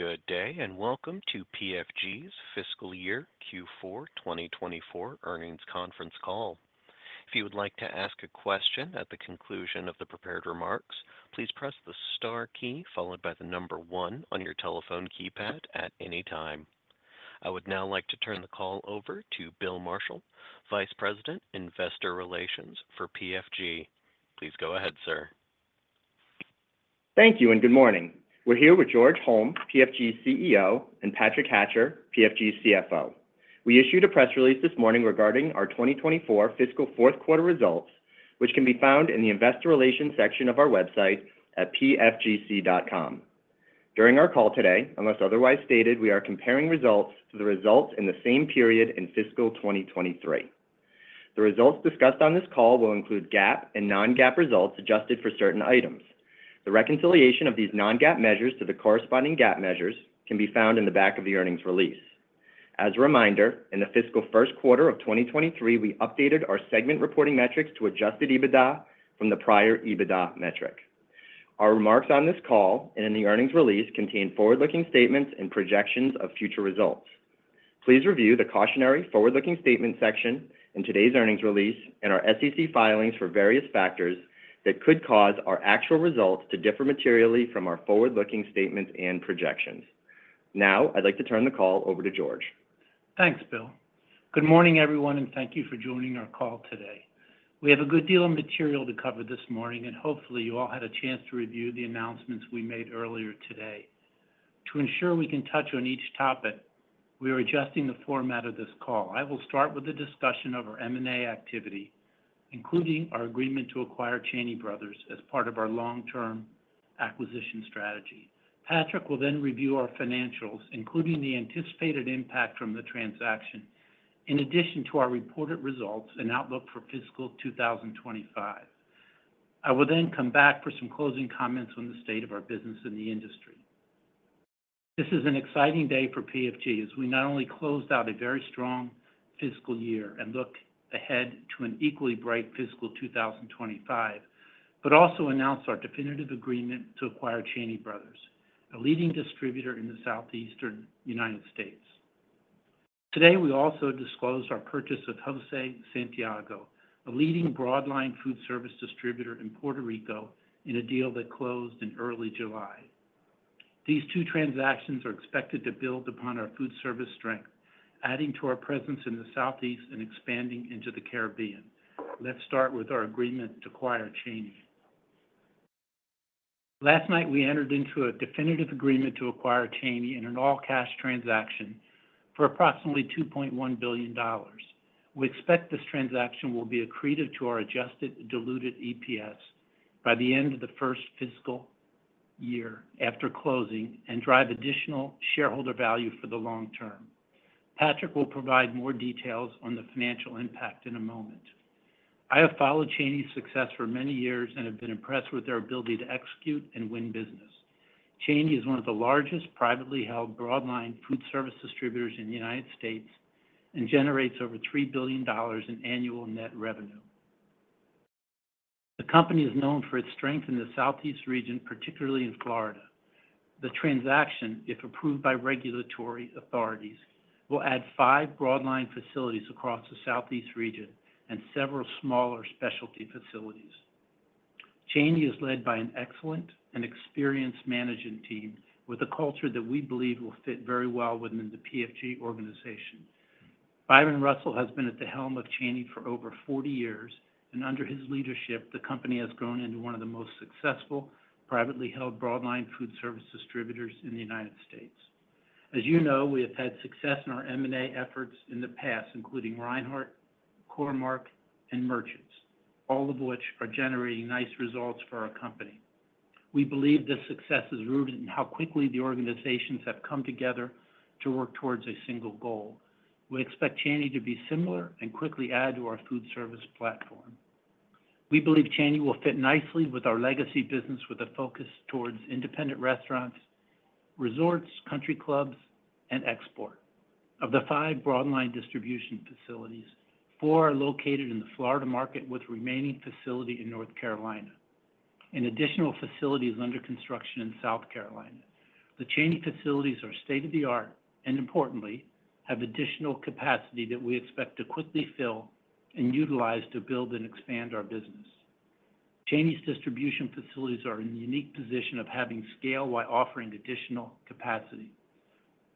Good day, and welcome to PFG's Fiscal Year Q4 2024 Earnings Conference Call. If you would like to ask a question at the conclusion of the prepared remarks, please press the star key, followed by the number 1 on your telephone keypad at any time. I would now like to turn the call over to Bill Marshall, Vice President, Investor Relations for PFG. Please go ahead, sir. Thank you, and good morning. We're here with George Holm, PFG's CEO, and Patrick Hatcher, PFG's CFO. We issued a press release this morning regarding our 2024 fiscal fourth quarter results, which can be found in the Investor Relations section of our website at pfgc.com. During our call today, unless otherwise stated, we are comparing results to the results in the same period in fiscal 2023. The results discussed on this call will include GAAP and non-GAAP results adjusted for certain items. The reconciliation of these non-GAAP measures to the corresponding GAAP measures can be found in the back of the earnings release. As a reminder, in the fiscal first quarter of 2023, we updated our segment reporting metrics to Adjusted EBITDA from the prior EBITDA metric. Our remarks on this call and in the earnings release contain forward-looking statements and projections of future results. Please review the cautionary forward-looking statement section in today's earnings release and our SEC filings for various factors that could cause our actual results to differ materially from our forward-looking statements and projections. Now, I'd like to turn the call over to George. Thanks, Bill. Good morning, everyone, and thank you for joining our call today. We have a good deal of material to cover this morning, and hopefully, you all had a chance to review the announcements we made earlier today. To ensure we can touch on each topic, we are adjusting the format of this call. I will start with a discussion of our M&A activity, including our agreement to acquire Cheney Brothers as part of our long-term acquisition strategy. Patrick will then review our financials, including the anticipated impact from the transaction, in addition to our reported results and outlook for fiscal 2025. I will then come back for some closing comments on the state of our business in the industry. This is an exciting day for PFG, as we not only closed out a very strong fiscal year and look ahead to an equally bright fiscal 2025, but also announced our definitive agreement to acquire Cheney Brothers, a leading distributor in the Southeastern United States. Today, we also disclosed our purchase of José Santiago, a leading broadline foodservice distributor in Puerto Rico, in a deal that closed in early July. These two transactions are expected to build upon our foodservice strength, adding to our presence in the Southeast and expanding into the Caribbean. Let's start with our agreement to acquire Cheney. Last night, we entered into a definitive agreement to acquire Cheney in an all-cash transaction for approximately $2.1 billion. We expect this transaction will be accretive to our adjusted diluted EPS by the end of the first fiscal year after closing and drive additional shareholder value for the long term. Patrick will provide more details on the financial impact in a moment. I have followed Cheney's success for many years and have been impressed with their ability to execute and win business. Cheney is one of the largest privately held broadline foodservice distributors in the United States and generates over $3 billion in annual net revenue. The company is known for its strength in the Southeast region, particularly in Florida. The transaction, if approved by regulatory authorities, will add five broadline facilities across the Southeast region and several smaller specialty facilities. Cheney is led by an excellent and experienced management team with a culture that we believe will fit very well within the PFG organization. Byron Russell has been at the helm of Cheney for over 40 years, and under his leadership, the company has grown into one of the most successful privately held broadline foodservice distributors in the United States. As you know, we have had success in our M&A efforts in the past, including Reinhart, Core-Mark, and Merchants, all of which are generating nice results for our company. We believe this success is rooted in how quickly the organizations have come together to work towards a single goal. We expect Cheney to be similar and quickly add to our foodservice platform. We believe Cheney will fit nicely with our legacy business, with a focus towards independent restaurants, resorts, country clubs, and export. Of the five broadline distribution facilities, four are located in the Florida market, with remaining facility in North Carolina. An additional facility is under construction in South Carolina. The Cheney facilities are state-of-the-art and importantly, have additional capacity that we expect to quickly fill and utilize to build and expand our business. Cheney's distribution facilities are in a unique position of having scale while offering additional capacity.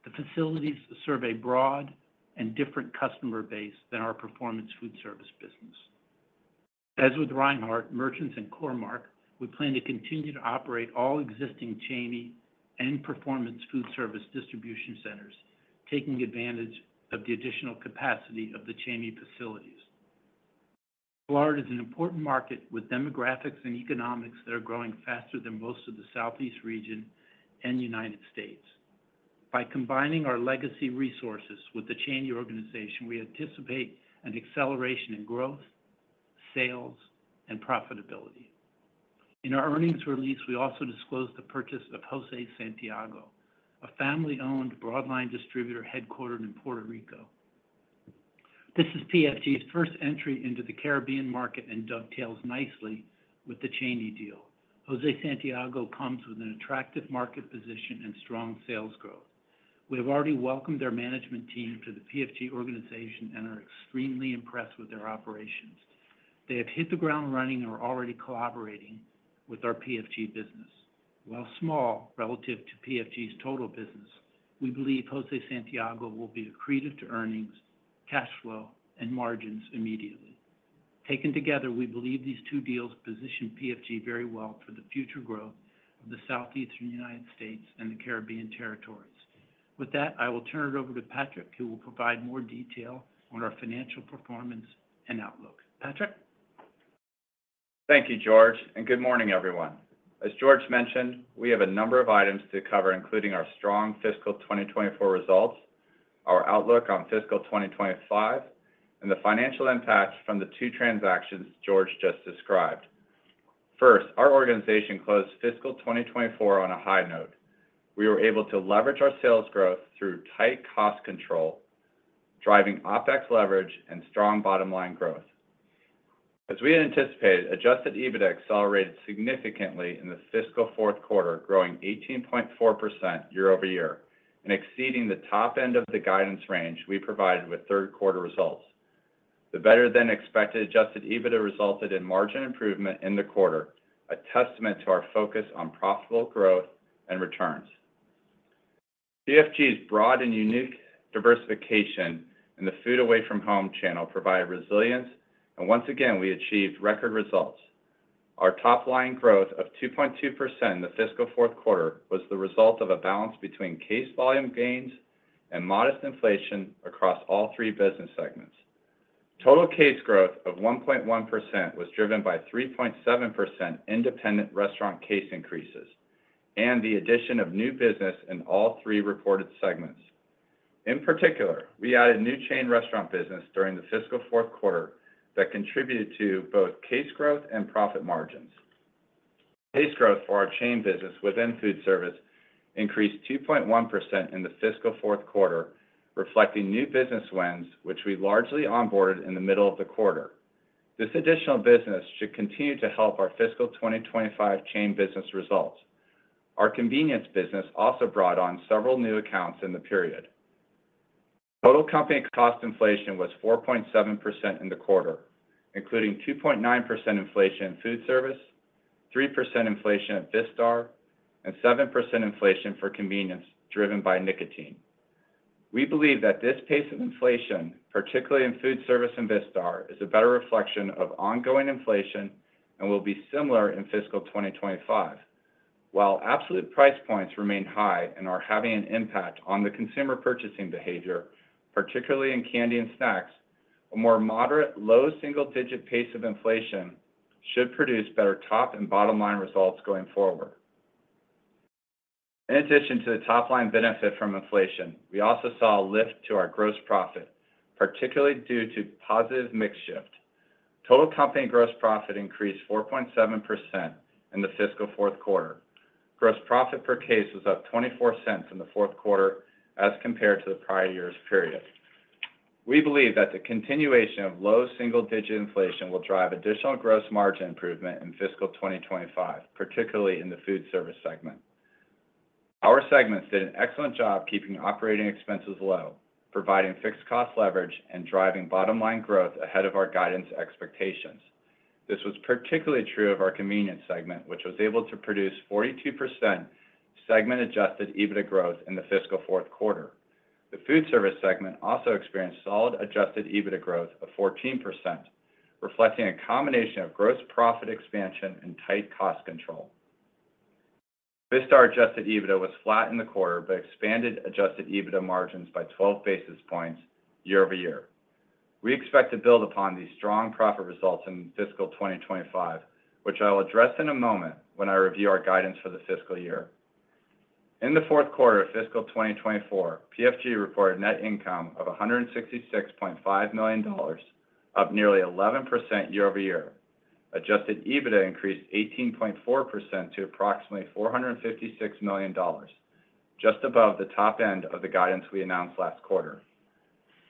The facilities serve a broad and different customer base than our Performance Foodservice business. As with Reinhart, Merchants, and Core-Mark, we plan to continue to operate all existing Cheney and Performance Foodservice distribution centers, taking advantage of the additional capacity of the Cheney facilities. Florida is an important market with demographics and economics that are growing faster than most of the Southeast region and United States. By combining our legacy resources with the Cheney organization, we anticipate an acceleration in growth, sales, and profitability. In our earnings release, we also disclosed the purchase of José Santiago, a family-owned broadline distributor headquartered in Puerto Rico.... This is PFG's first entry into the Caribbean market and dovetails nicely with the Cheney deal. José Santiago comes with an attractive market position and strong sales growth. We have already welcomed their management team to the PFG organization and are extremely impressed with their operations. They have hit the ground running and are already collaborating with our PFG business. While small, relative to PFG's total business, we believe José Santiago will be accretive to earnings, cash flow, and margins immediately. Taken together, we believe these two deals position PFG very well for the future growth of the Southeastern United States and the Caribbean territories. With that, I will turn it over to Patrick, who will provide more detail on our financial performance and outlook. Patrick? Thank you, George, and good morning, everyone. As George mentioned, we have a number of items to cover, including our strong fiscal 2024 results, our outlook on fiscal 2025, and the financial impact from the two transactions George just described. First, our organization closed fiscal 2024 on a high note. We were able to leverage our sales growth through tight cost control, driving OpEx leverage and strong bottom line growth. As we had anticipated, adjusted EBITDA accelerated significantly in the fiscal fourth quarter, growing 18.4% year-over-year and exceeding the top end of the guidance range we provided with third quarter results. The better-than-expected adjusted EBITDA resulted in margin improvement in the quarter, a testament to our focus on profitable growth and returns. PFG's broad and unique diversification in the food away from home channel provided resilience, and once again, we achieved record results. Our top-line growth of 2.2% in the fiscal fourth quarter was the result of a balance between case volume gains and modest inflation across all three business segments. Total case growth of 1.1% was driven by 3.7% independent restaurant case increases and the addition of new business in all three reported segments. In particular, we added new chain restaurant business during the fiscal fourth quarter that contributed to both case growth and profit margins. Case growth for our chain business within foodservice increased 2.1% in the fiscal fourth quarter, reflecting new business wins, which we largely onboarded in the middle of the quarter. This additional business should continue to help our fiscal 2025 chain business results. Our convenience business also brought on several new accounts in the period. Total company cost inflation was 4.7% in the quarter, including 2.9% inflation in foodservice, 3% inflation at Vistar, and 7% inflation for convenience, driven by nicotine. We believe that this pace of inflation, particularly in foodservice and Vistar, is a better reflection of ongoing inflation and will be similar in fiscal 2025. While absolute price points remain high and are having an impact on the consumer purchasing behavior, particularly in candy and snacks, a more moderate, low single-digit pace of inflation should produce better top and bottom line results going forward. In addition to the top-line benefit from inflation, we also saw a lift to our gross profit, particularly due to positive mix shift. Total company gross profit increased 4.7% in the fiscal fourth quarter. Gross profit per case was up $0.24 in the fourth quarter as compared to the prior year's period. We believe that the continuation of low single-digit inflation will drive additional gross margin improvement in fiscal 2025, particularly in the foodservice segment. Our segments did an excellent job keeping operating expenses low, providing fixed cost leverage and driving bottom line growth ahead of our guidance expectations. This was particularly true of our convenience segment, which was able to produce 42% segment-adjusted EBITDA growth in the fiscal fourth quarter. The foodservice segment also experienced solid adjusted EBITDA growth of 14%, reflecting a combination of gross profit expansion and tight cost control. Vistar adjusted EBITDA was flat in the quarter, but expanded adjusted EBITDA margins by 12 basis points year-over-year. We expect to build upon these strong profit results in fiscal 2025, which I will address in a moment when I review our guidance for the fiscal year. In the fourth quarter of fiscal 2024, PFG reported net income of $166.5 million, up nearly 11% year-over-year. Adjusted EBITDA increased 18.4% to approximately $456 million, just above the top end of the guidance we announced last quarter.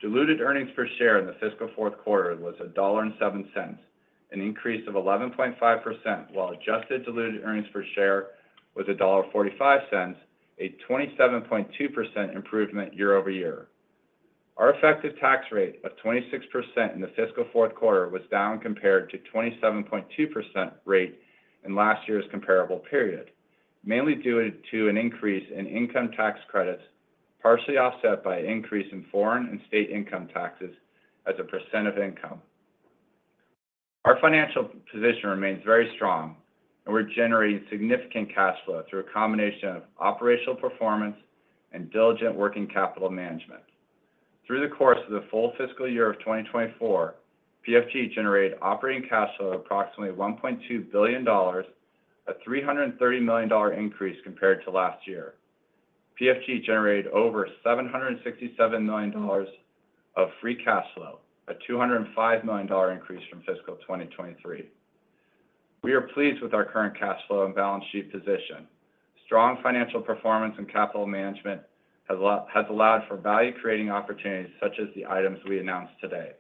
Diluted earnings per share in the fiscal fourth quarter was $1.07, an increase of 11.5%, while adjusted diluted earnings per share was $1.45, a 27.2% improvement year-over-year. Our effective tax rate of 26% in the fiscal fourth quarter was down compared to 27.2% rate in last year's comparable period, mainly due to an increase in income tax credits, partially offset by an increase in foreign and state income taxes as a percent of income. Our financial position remains very strong, and we're generating significant cash flow through a combination of operational performance and diligent working capital management. Through the course of the full fiscal year of 2024, PFG generated operating cash flow of approximately $1.2 billion, a $330 million increase compared to last year. PFG generated over $767 million of free cash flow, a $205 million increase from fiscal 2023. We are pleased with our current cash flow and balance sheet position. Strong financial performance and capital management has allowed for value-creating opportunities, such as the items we announced today.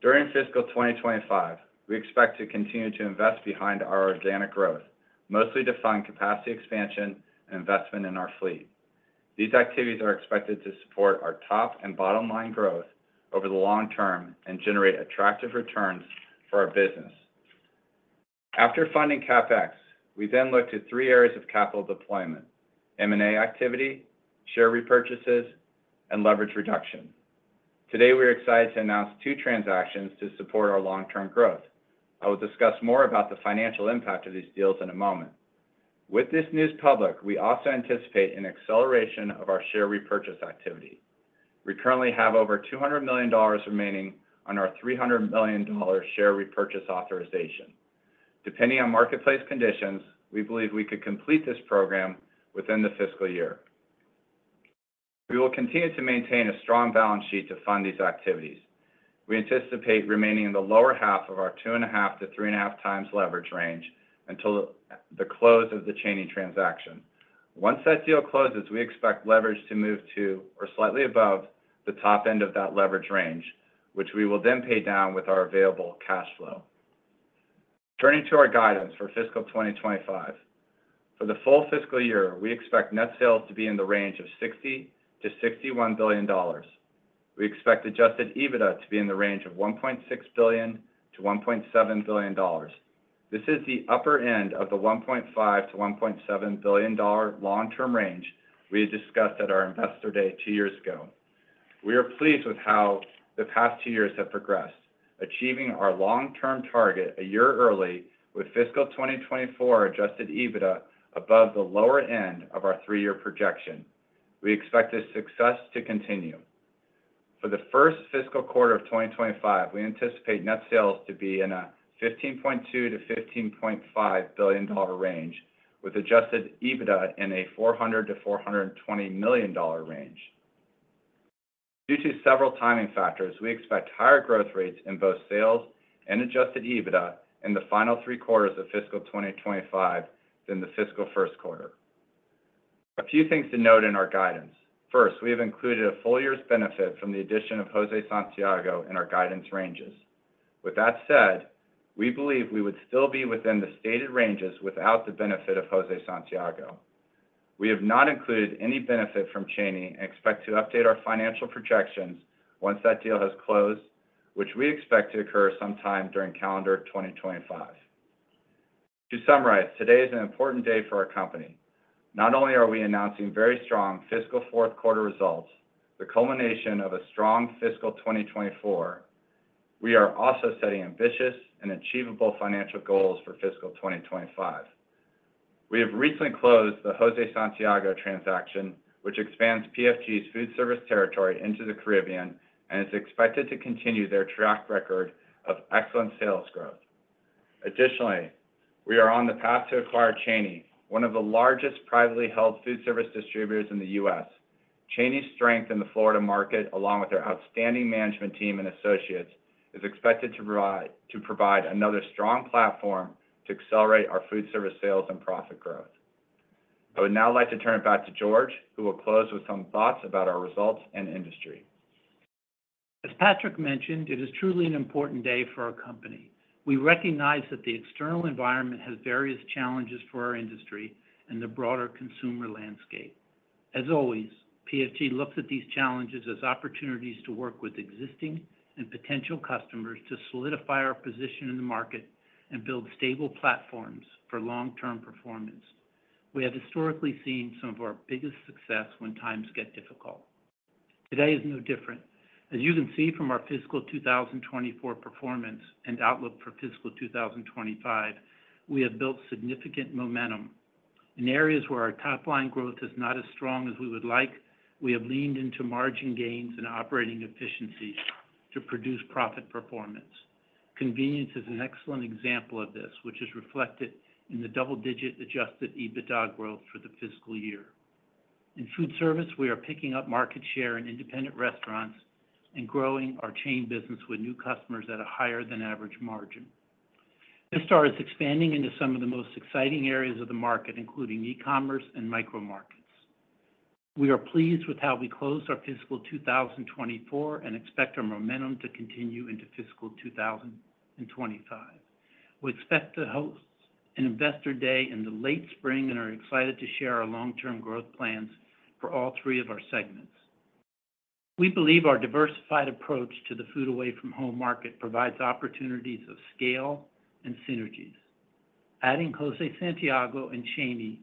During fiscal 2025, we expect to continue to invest behind our organic growth, mostly to fund capacity expansion and investment in our fleet. These activities are expected to support our top and bottom line growth over the long term and generate attractive returns for our business. After funding CapEx, we then looked at three areas of capital deployment: M&A activity, share repurchases, and leverage reduction. Today, we're excited to announce two transactions to support our long-term growth. I will discuss more about the financial impact of these deals in a moment. With this news public, we also anticipate an acceleration of our share repurchase activity. We currently have over $200 million remaining on our $300 million share repurchase authorization. Depending on marketplace conditions, we believe we could complete this program within the fiscal year. We will continue to maintain a strong balance sheet to fund these activities. We anticipate remaining in the lower half of our 2.5-3.5 times leverage range until the close of the Cheney transaction. Once that deal closes, we expect leverage to move to or slightly above the top end of that leverage range, which we will then pay down with our available cash flow. Turning to our guidance for fiscal 2025. For the full fiscal year, we expect net sales to be in the range of $60 billion-$61 billion. We expect adjusted EBITDA to be in the range of $1.6 billion-$1.7 billion. This is the upper end of the $1.5 billion-$1.7 billion long-term range we had discussed at our Investor Day two years ago. We are pleased with how the past two years have progressed, achieving our long-term target a year early with fiscal 2024 adjusted EBITDA above the lower end of our three-year projection. We expect this success to continue. For the first fiscal quarter of 2025, we anticipate net sales to be in a $15.2-$15.5 billion range, with adjusted EBITDA in a $400-$420 million range. Due to several timing factors, we expect higher growth rates in both sales and adjusted EBITDA in the final three quarters of fiscal 2025 than the fiscal first quarter. A few things to note in our guidance: First, we have included a full year's benefit from the addition of José Santiago in our guidance ranges. With that said, we believe we would still be within the stated ranges without the benefit of José Santiago. We have not included any benefit from Cheney Brothers and expect to update our financial projections once that deal has closed, which we expect to occur sometime during calendar 2025. To summarize, today is an important day for our company. Not only are we announcing very strong fiscal fourth quarter results, the culmination of a strong fiscal 2024, we are also setting ambitious and achievable financial goals for fiscal 2025. We have recently closed the José Santiago transaction, which expands PFG's foodservice territory into the Caribbean and is expected to continue their track record of excellent sales growth. Additionally, we are on the path to acquire Cheney, one of the largest privately held foodservice distributors in the U.S. Cheney's strength in the Florida market, along with their outstanding management team and associates, is expected to provide another strong platform to accelerate our foodservice sales and profit growth. I would now like to turn it back to George, who will close with some thoughts about our results and industry. As Patrick mentioned, it is truly an important day for our company. We recognize that the external environment has various challenges for our industry and the broader consumer landscape. As always, PFG looks at these challenges as opportunities to work with existing and potential customers to solidify our position in the market and build stable platforms for long-term performance. We have historically seen some of our biggest success when times get difficult. Today is no different. As you can see from our fiscal 2024 performance and outlook for fiscal 2025, we have built significant momentum. In areas where our top-line growth is not as strong as we would like, we have leaned into margin gains and operating efficiencies to produce profit performance. Convenience is an excellent example of this, which is reflected in the double-digit adjusted EBITDA growth for the fiscal year. In foodservice, we are picking up market share in independent restaurants and growing our chain business with new customers at a higher than average margin. Vistar is expanding into some of the most exciting areas of the market, including e-commerce and micro markets. We are pleased with how we closed our fiscal 2024 and expect our momentum to continue into fiscal 2025. We expect to host an Investor Day in the late spring and are excited to share our long-term growth plans for all three of our segments. We believe our diversified approach to the food away from home market provides opportunities of scale and synergies. Adding José Santiago and Cheney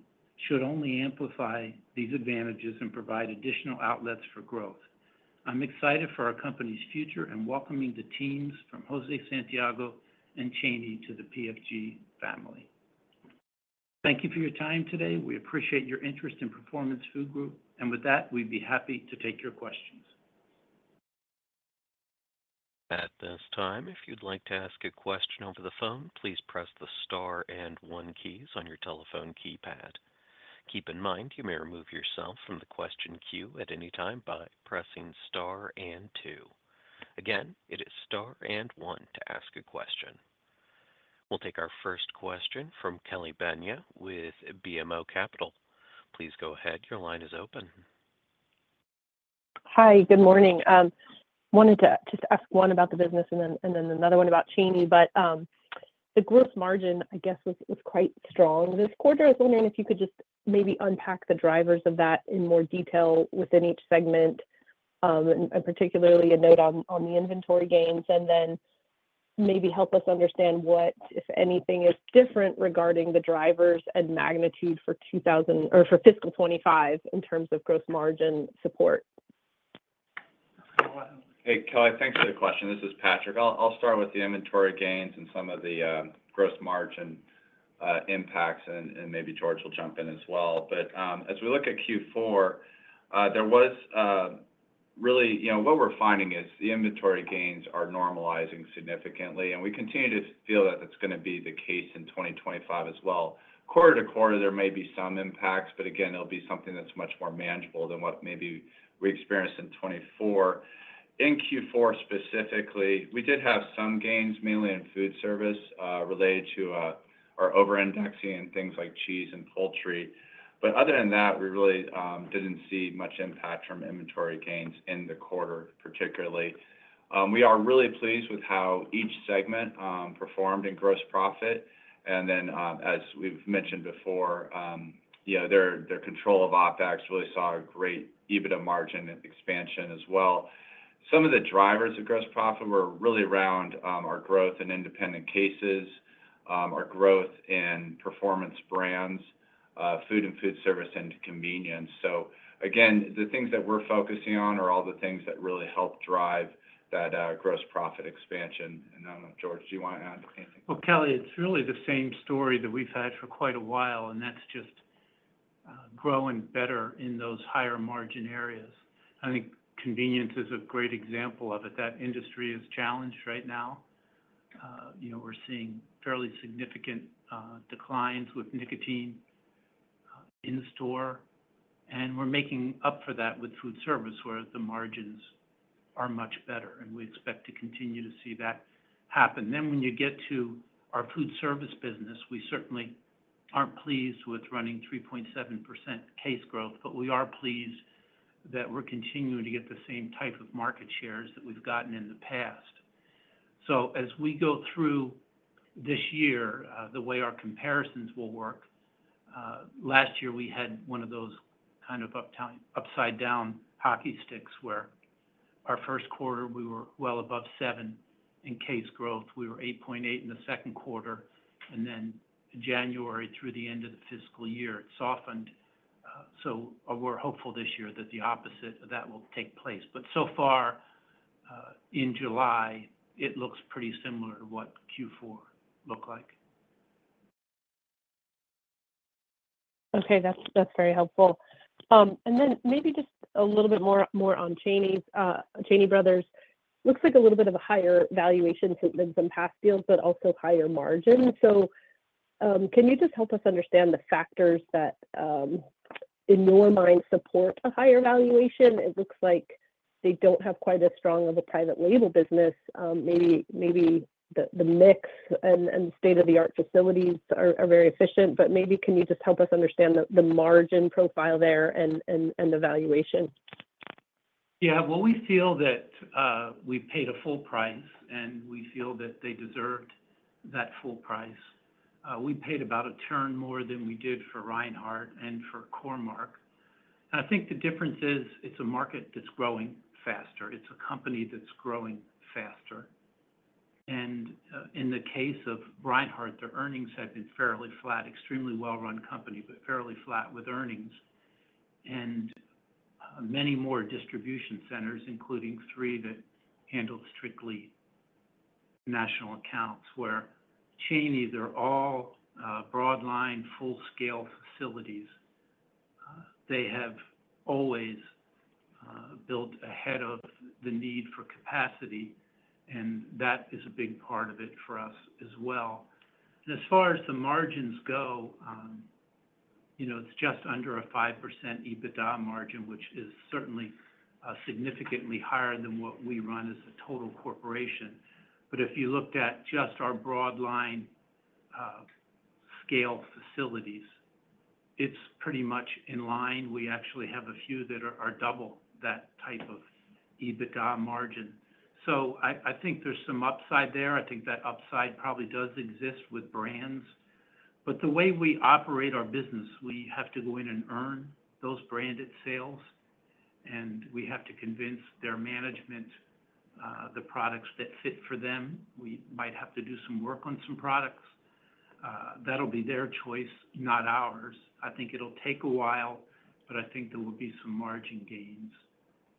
should only amplify these advantages and provide additional outlets for growth. I'm excited for our company's future and welcoming the teams from José Santiago and Cheney to the PFG family. Thank you for your time today. We appreciate your interest in Performance Food Group, and with that, we'd be happy to take your questions. At this time, if you'd like to ask a question over the phone, please press the star and one keys on your telephone keypad. Keep in mind, you may remove yourself from the question queue at any time by pressing star and two Again, it is star and one to ask a question. We'll take our first question from Kelly Bania with BMO Capital. Please go ahead. Your line is open. Hi, good morning. Wanted to just ask one about the business and then another one about Cheney. But the gross margin, I guess, was quite strong this quarter. I was wondering if you could just maybe unpack the drivers of that in more detail within each segment, and particularly a note on the inventory gains, and then maybe help us understand what, if anything, is different regarding the drivers and magnitude for two thousand-- or for fiscal 2025 in terms of gross margin support. Hey, Kelly, thanks for the question. This is Patrick. I'll start with the inventory gains and some of the gross margin impacts, and maybe George will jump in as well. But as we look at Q4, there was really, you know, what we're finding is the inventory gains are normalizing significantly, and we continue to feel that that's gonna be the case in 2025 as well. Quarter to quarter, there may be some impacts, but again, it'll be something that's much more manageable than what maybe we experienced in 2024. In Q4 specifically, we did have some gains, mainly in foodservice related to our over-indexing in things like cheese and poultry. But other than that, we really didn't see much impact from inventory gains in the quarter, particularly. We are really pleased with how each segment performed in gross profit. And then, as we've mentioned before, you know, their, their control of OpEx really saw a great EBITDA margin expansion as well. Some of the drivers of gross profit were really around our growth in independent cases, our growth in Performance Brands, Foodservice and Convenience. So again, the things that we're focusing on are all the things that really help drive that gross profit expansion. And I don't know, George, do you want to add anything? Well, Kelly, it's really the same story that we've had for quite a while, and that's just, growing better in those higher margin areas. I think convenience is a great example of it. That industry is challenged right now. You know, we're seeing fairly significant, declines with nicotine, in store, and we're making up for that with foodservice, where the margins are much better, and we expect to continue to see that happen. Then when you get to our foodservice business, we certainly aren't pleased with running 3.7% case growth, but we are pleased that we're continuing to get the same type of market shares that we've gotten in the past. So as we go through this year, the way our comparisons will work, last year we had one of those kind of upside down hockey sticks, where our first quarter, we were well above 7 in case growth. We were 8.8 in the second quarter, and then January through the end of the fiscal year, it softened. So we're hopeful this year that the opposite of that will take place. But so far, in July, it looks pretty similar to what Q4 looked like. Okay, that's, that's very helpful. And then maybe just a little bit more, more on Cheney's, Cheney Brothers. Looks like a little bit of a higher valuation than some past deals, but also higher margin. So, can you just help us understand the factors that, in your mind, support a higher valuation? It looks like they don't have quite as strong of a private label business. Maybe, maybe the, the mix and, and state-of-the-art facilities are, are very efficient, but maybe can you just help us understand the, the margin profile there and, and, and the valuation? Yeah. Well, we feel that, we paid a full price, and we feel that they deserved that full price. We paid about a turn more than we did for Reinhart and for Core-Mark. And I think the difference is it's a market that's growing faster. It's a company that's growing faster. And, in the case of Reinhart, their earnings have been fairly flat, extremely well-run company, but fairly flat with earnings, and, many more distribution centers, including three that handle strictly national accounts, where Cheney, they're all, broadline, full-scale facilities. They have always, built ahead of the need for capacity, and that is a big part of it for us as well. As far as the margins go, you know, it's just under a 5% EBITDA margin, which is certainly significantly higher than what we run as a total corporation. But if you looked at just our broadline scale facilities, it's pretty much in line. We actually have a few that are double that type of EBITDA margin. So I think there's some upside there. I think that upside probably does exist with brands. But the way we operate our business, we have to go in and earn those branded sales, and we have to convince their management the products that fit for them. We might have to do some work on some products. That'll be their choice, not ours. I think it'll take a while, but I think there will be some margin gains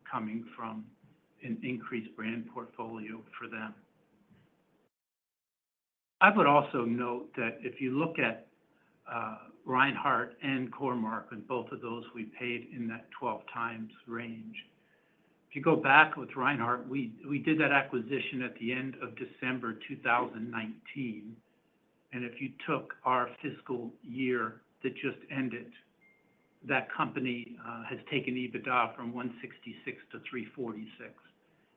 coming from an increased brand portfolio for them. I would also note that if you look at Reinhart and Core-Mark, and both of those we paid in that 12x range. If you go back with Reinhart, we did that acquisition at the end of December 2019, and if you took our fiscal year that just ended, that company has taken EBITDA from $166 to $346.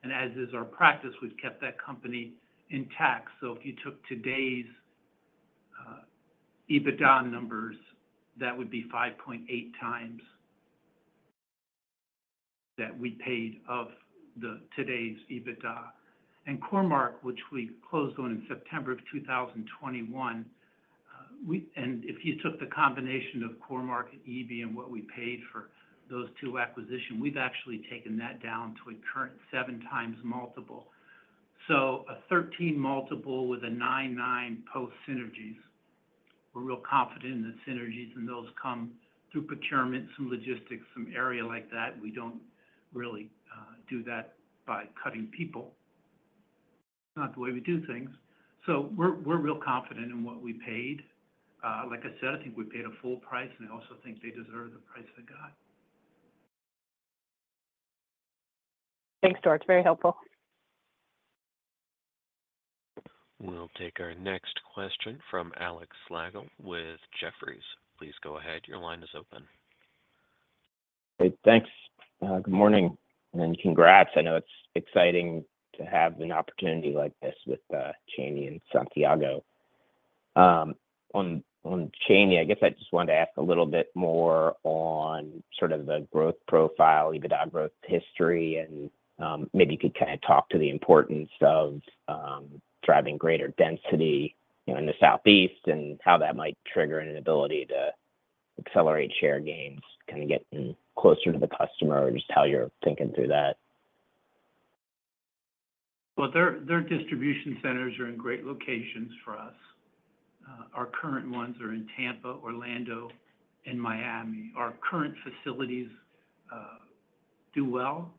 And as is our practice, we've kept that company intact. So if you took today's EBITDA numbers, that would be 5.8x that we paid of today's EBITDA. And Core-Mark, which we closed on in September 2021, and if you took the combination of Core-Mark and Eby and what we paid for those two acquisitions, we've actually taken that down to a current 7x multiple. So a 13x multiple with a 9.9x post synergies. We're real confident in the synergies, and those come through procurement, some logistics, some area like that. We don't really do that by cutting people. Not the way we do things. So we're real confident in what we paid. Like I said, I think we paid a full price, and I also think they deserve the price they got. Thanks, George. Very helpful. We'll take our next question from Alex Slagle with Jefferies. Please go ahead. Your line is open. Hey, thanks. Good morning, and congrats. I know it's exciting to have an opportunity like this with Cheney and Santiago. On Cheney, I guess I just wanted to ask a little bit more on sort of the growth profile, EBITDA growth history, and maybe you could kinda talk to the importance of driving greater density, you know, in the Southeast and how that might trigger an ability to accelerate share gains, kinda getting closer to the customer or just how you're thinking through that. Well, their, their distribution centers are in great locations for us. Our current ones are in Tampa, Orlando, and Miami. Our current facilities do well.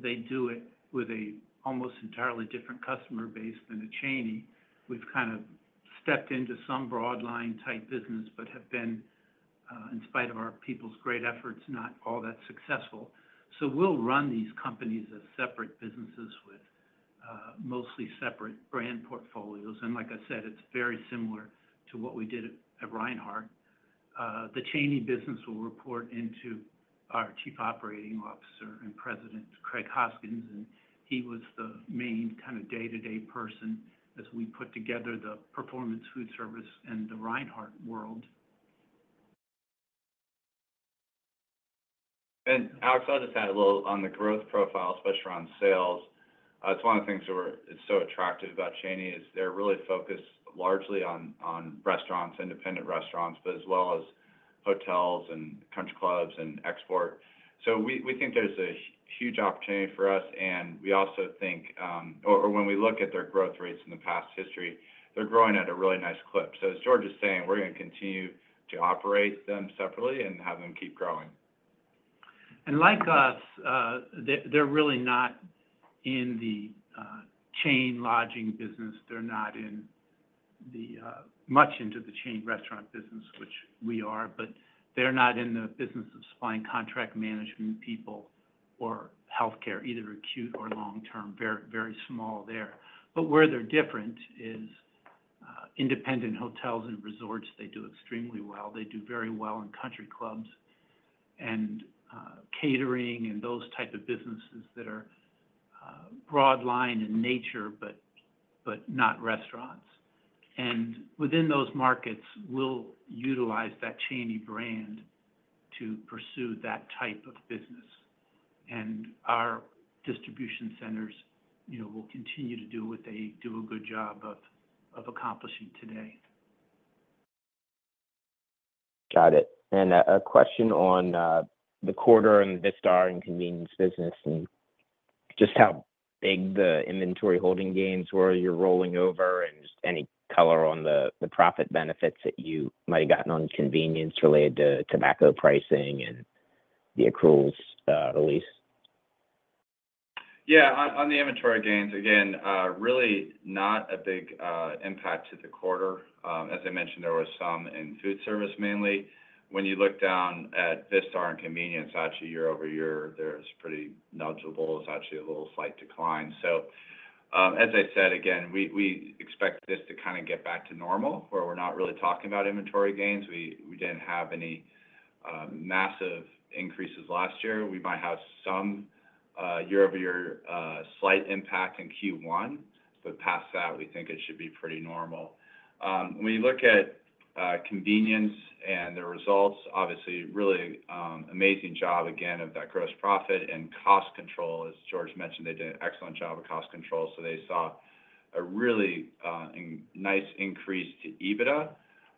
They do it with a almost entirely different customer base than the Cheney. We've kind of stepped into some broad line type business, but have been, in spite of our people's great efforts, not all that successful. So we'll run these companies as separate businesses with, mostly separate brand portfolios. And like I said, it's very similar to what we did at, at Reinhart. The Cheney business will report into our Chief Operating Officer and President, Craig Hoskins, and he was the main kind of day-to-day person as we put together the Performance Foodservice and the Reinhart world. And Alex, I'll just add a little on the growth profile, especially around sales. It's one of the things that is so attractive about Cheney, is they're really focused largely on restaurants, independent restaurants, but as well as hotels and country clubs and export. So we think there's a huge opportunity for us, and we also think, or when we look at their growth rates in the past history, they're growing at a really nice clip. So as George is saying, we're gonna continue to operate them separately and have them keep growing. Like us, they're really not in the chain lodging business. They're not much into the chain restaurant business, which we are, but they're not in the business of supplying contract management people or healthcare, either acute or long-term. Very, very small there. But where they're different is independent hotels and resorts; they do extremely well. They do very well in country clubs and catering and those type of businesses that are broad line in nature, but not restaurants. And within those markets, we'll utilize that Cheney brand to pursue that type of business. And our distribution centers, you know, will continue to do what they do a good job of accomplishing today. Got it. A question on the quarter and the Vistar and convenience business, and just how big the inventory holding gains were you're rolling over, and just any color on the profit benefits that you might have gotten on convenience related to tobacco pricing and the accruals release? Yeah. On the inventory gains, again, really not a big impact to the quarter. As I mentioned, there was some in foodservice, mainly. When you look down at Vistar and convenience, actually year-over-year, there's pretty negligible. It's actually a little slight decline. So, as I said again, we expect this to kinda get back to normal, where we're not really talking about inventory gains. We didn't have any massive increases last year. We might have some year-over-year slight impact in Q1, but past that, we think it should be pretty normal. When you look at convenience and the results, obviously really amazing job, again, of that gross profit and cost control. As George mentioned, they did an excellent job of cost control, so they saw a really nice increase to EBITDA.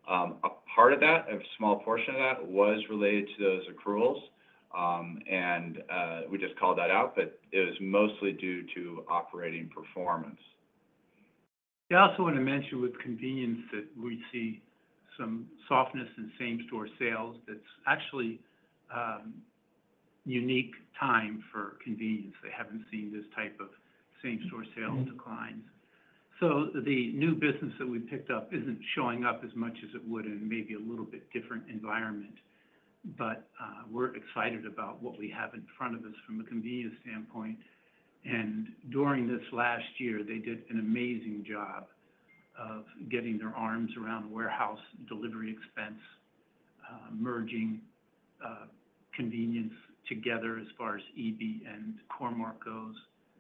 A part of that, a small portion of that, was related to those accruals. And we just called that out, but it was mostly due to operating performance. I also wanna mention with convenience that we see some softness in same-store sales that's actually unique time for convenience. They haven't seen this type of same-store sales declines. So the new business that we picked up isn't showing up as much as it would in maybe a little bit different environment. But, we're excited about what we have in front of us from a convenience standpoint. And during this last year, they did an amazing job of getting their arms around the warehouse delivery expense, merging convenience together as far as EB and Core-Mark goes.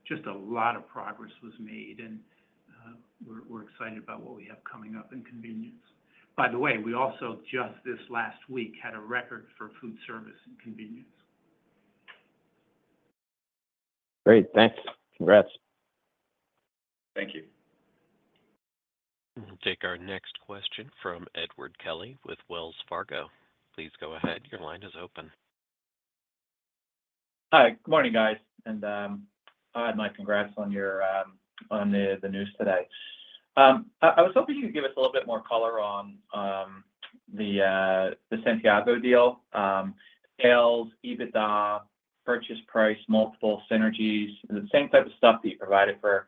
Just a lot of progress was made, and, we're excited about what we have coming up in convenience. By the way, we also just this last week had a record for foodservice and convenience. Great. Thanks. Congrats. Thank you. We'll take our next question from Edward Kelly with Wells Fargo. Please go ahead. Your line is open. Hi. Good morning, guys, and I'll add my congrats on the news today. I was hoping you could give us a little bit more color on the Santiago deal, sales, EBITDA, purchase price, multiple, synergies, the same type of stuff that you provided for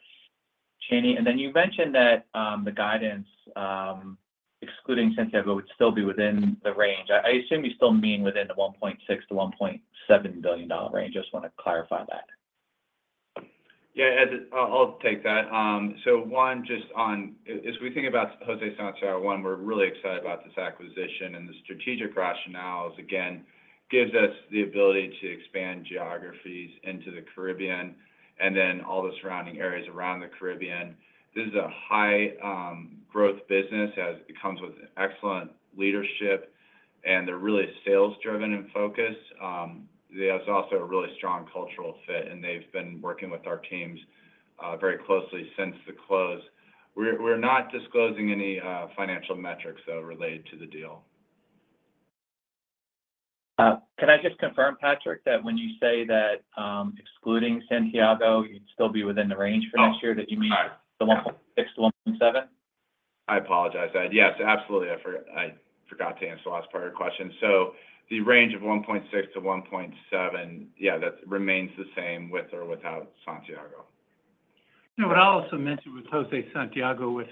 Cheney. Then you mentioned that the guidance excluding Santiago would still be within the range. I assume you still mean within the $1.6 billion-$1.7 billion range. Just wanna clarify that. Yeah, Ed, I'll take that. So one, just on—as we think about José Santiago, one, we're really excited about this acquisition and the strategic rationales. Again, gives us the ability to expand geographies into the Caribbean, and then all the surrounding areas around the Caribbean. This is a high growth business, as it comes with excellent leadership, and they're really sales driven in focus. There's also a really strong cultural fit, and they've been working with our teams very closely since the close. We're not disclosing any financial metrics, though, related to the deal. Can I just confirm, Patrick, that when you say that, excluding Santiago, you'd still be within the range for next year? Oh. -that you mean the 1.6-1.7? I apologize, Ed. Yes, absolutely. I forgot to answer the last part of your question. So the range of 1.6-1.7, yeah, that remains the same with or without Santiago. No, but I'll also mention with José Santiago, with,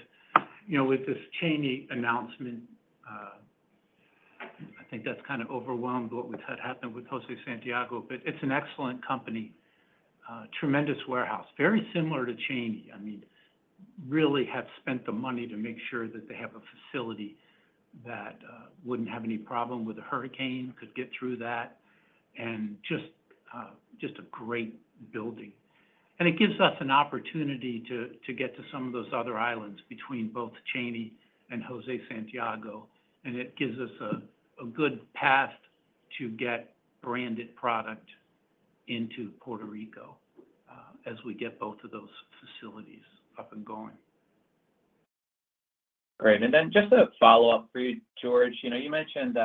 you know, with this Cheney announcement, I think that's kind of overwhelmed what we've had happened with José Santiago. But it's an excellent company, tremendous warehouse. Very similar to Cheney. I mean, really have spent the money to make sure that they have a facility that wouldn't have any problem with a hurricane, could get through that, and just a great building. And it gives us an opportunity to get to some of those other islands between both Cheney and José Santiago, and it gives us a good path to get branded product into Puerto Rico, as we get both of those facilities up and going. Great. And then just a follow-up for you, George. You know, you mentioned,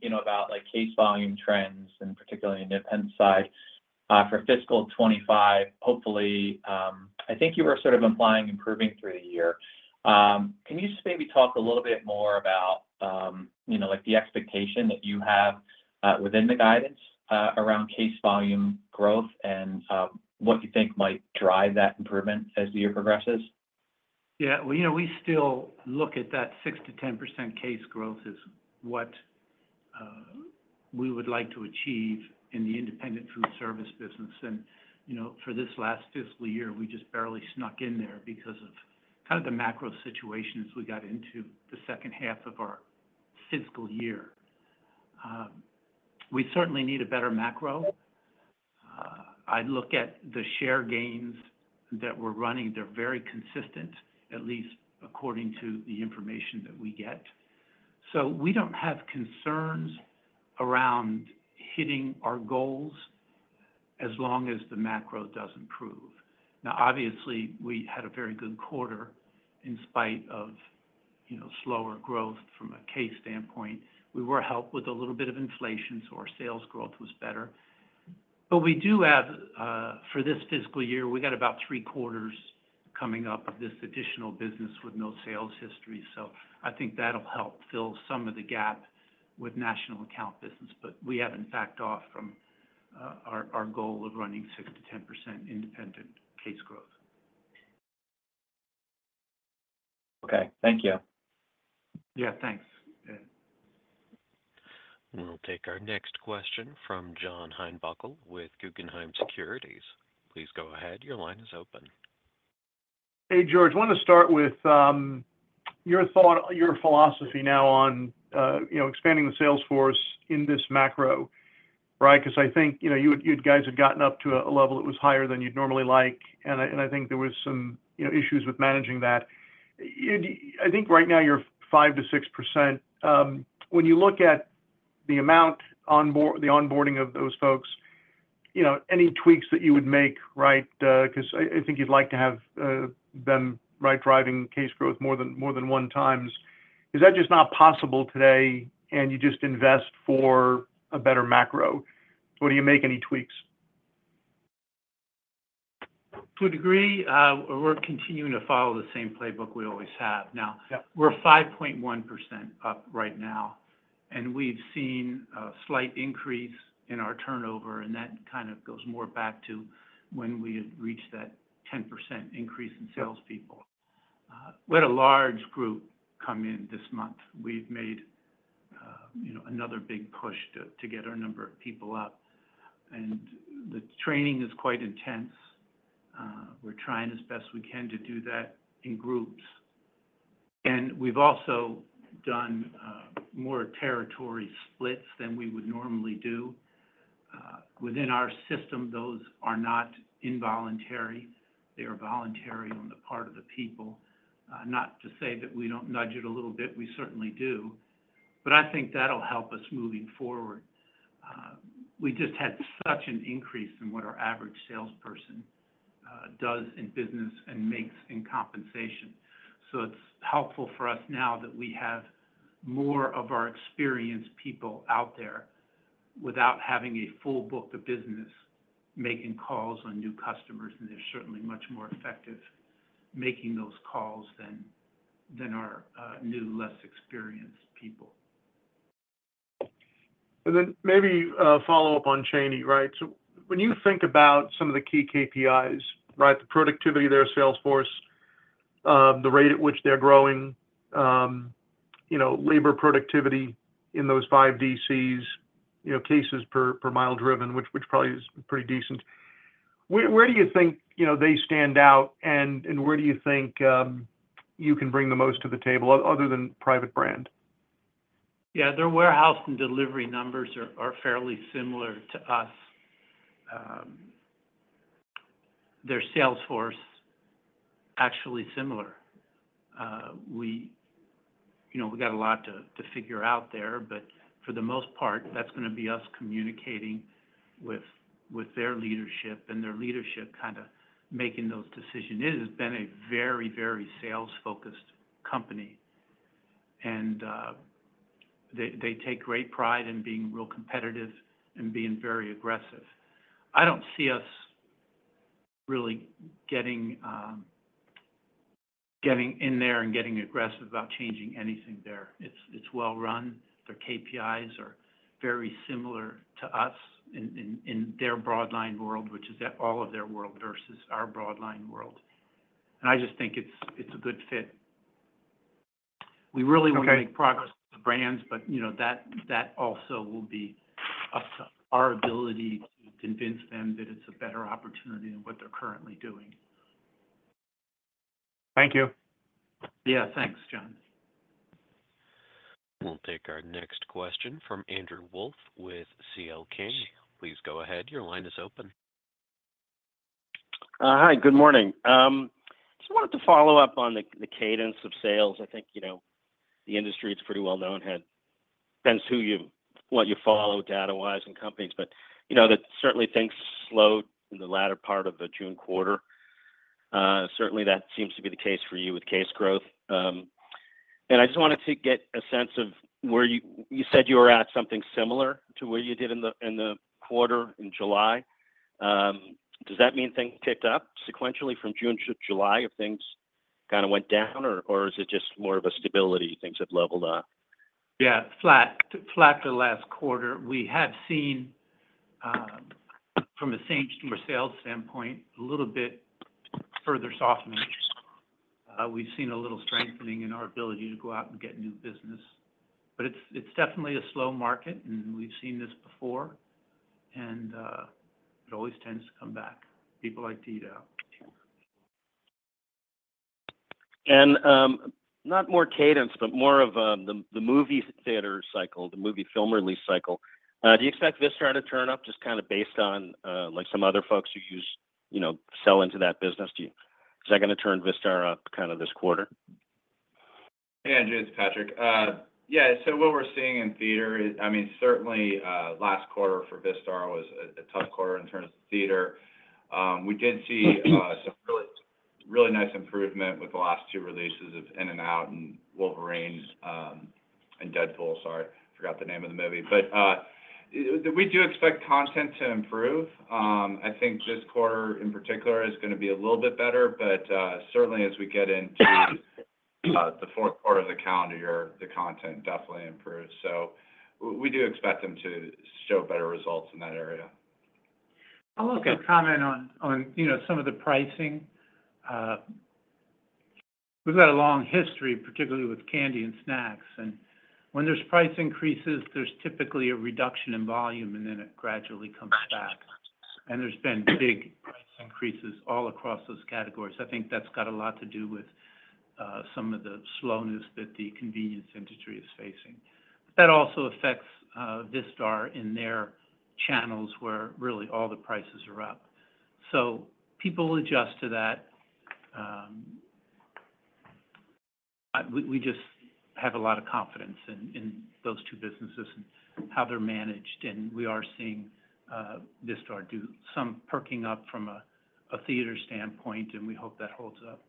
you know, about, like, case volume trends, and particularly in independent side, for fiscal 2025. Hopefully, I think you were sort of implying improving through the year. Can you just maybe talk a little bit more about, you know, like, the expectation that you have, within the guidance, around case volume growth and, what you think might drive that improvement as the year progresses? Yeah. Well, you know, we still look at that 6%-10% case growth as what we would like to achieve in the independent foodservice business. And, you know, for this last fiscal year, we just barely snuck in there because of kind of the macro situations we got into the second half of our fiscal year. We certainly need a better macro. I'd look at the share gains that we're running. They're very consistent, at least according to the information that we get. So we don't have concerns around hitting our goals as long as the macro does improve. Now, obviously, we had a very good quarter in spite of, you know, slower growth from a case standpoint. We were helped with a little bit of inflation, so our sales growth was better. But we do have, for this fiscal year, we got about three quarters coming up of this additional business with no sales history, so I think that'll help fill some of the gap with national account business. But we haven't backed off from, our goal of running 6%-10% independent case growth. Okay. Thank you. Yeah, thanks, Ed. We'll take our next question from John Heinbockel with Guggenheim Securities. Please go ahead. Your line is open. Hey, George, I wanna start with your thought, your philosophy now on, you know, expanding the sales force in this macro. Right? 'Cause I think, you know, you, you guys had gotten up to a level that was higher than you'd normally like, and I, and I think there was some, you know, issues with managing that. I think right now you're 5%-6%. When you look at the amount onboarding of those folks, you know, any tweaks that you would make, right, 'cause I, I think you'd like to have them, right, driving case growth more than, more than one times. Is that just not possible today, and you just invest for a better macro? Or do you make any tweaks? To a degree, we're continuing to follow the same playbook we always have. Now- Yeah... we're 5.1% up right now, and we've seen a slight increase in our turnover, and that kind of goes more back to when we had reached that 10% increase in sales people. We had a large group come in this month. We've made... you know, another big push to, to get our number of people up. And the training is quite intense. We're trying as best we can to do that in groups. And we've also done, more territory splits than we would normally do. Within our system, those are not involuntary, they are voluntary on the part of the people. Not to say that we don't nudge it a little bit, we certainly do, but I think that'll help us moving forward. We just had such an increase in what our average salesperson does in business and makes in compensation. So it's helpful for us now that we have more of our experienced people out there without having a full book of business, making calls on new customers, and they're certainly much more effective making those calls than our new, less experienced people. And then maybe follow up on Cheney, right? So when you think about some of the key KPIs, right, the productivity of their sales force, the rate at which they're growing, you know, labor productivity in those five DCs, cases per mile driven, which probably is pretty decent. Where do you think they stand out, and where do you think you can bring the most to the table, other than private brand? Yeah, their warehouse and delivery numbers are fairly similar to us. Their sales force, actually similar. We, you know, we got a lot to figure out there, but for the most part, that's gonna be us communicating with their leadership, and their leadership kinda making those decisions. It has been a very, very sales-focused company, and they take great pride in being real competitive and being very aggressive. I don't see us really getting in there and getting aggressive about changing anything there. It's well run. Their KPIs are very similar to us in their broad line world, which is all of their world versus our broad line world. And I just think it's a good fit. Okay. We really want to make progress with the brands, but, you know, that, that also will be up to our ability to convince them that it's a better opportunity than what they're currently doing. Thank you. Yeah. Thanks, John. We'll take our next question from Andrew Wolf with CL King. Please go ahead. Your line is open. Hi, good morning. Just wanted to follow up on the cadence of sales. I think, you know, the industry, it's pretty well known, had depends who you, what you follow data-wise and companies, but, you know, that certainly things slowed in the latter part of the June quarter. Certainly, that seems to be the case for you with case growth. And I just wanted to get a sense of where you, you said you were at something similar to where you did in the quarter in July. Does that mean things picked up sequentially from June to July, if things kinda went down, or is it just more of a stability, things have leveled up? Yeah, flat. Flat to last quarter. We have seen, from a same customer sales standpoint, a little bit further softening. We've seen a little strengthening in our ability to go out and get new business, but it's, it's definitely a slow market, and we've seen this before, and, it always tends to come back. People like to eat out. Not more cadence, but more of the movie theater cycle, the movie film release cycle. Do you expect Vistar to turn up just kinda based on, like some other folks who use, you know, sell into that business? Is that gonna turn Vistar up kinda this quarter? Hey, Andrew, it's Patrick. Yeah, so what we're seeing in theater is, I mean, certainly, last quarter for Vistar was a tough quarter in terms of theater. We did see some really, really nice improvement with the last two releases of Inside Out 2 and Deadpool & Wolverine. Sorry, I forgot the name of the movie. But we do expect content to improve. I think this quarter, in particular, is gonna be a little bit better, but certainly as we get into the fourth quarter of the calendar year, the content definitely improves. So we do expect them to show better results in that area. Okay. I'll also comment on, you know, some of the pricing. We've had a long history, particularly with candy and snacks, and when there's price increases, there's typically a reduction in volume, and then it gradually comes back. And there's been big price increases all across those categories. I think that's got a lot to do with some of the slowness that the convenience industry is facing. That also affects Vistar in their channels, where really all the prices are up. So people will adjust to that. We just have a lot of confidence in those two businesses and how they're managed, and we are seeing Vistar do some perking up from a theater standpoint, and we hope that holds up.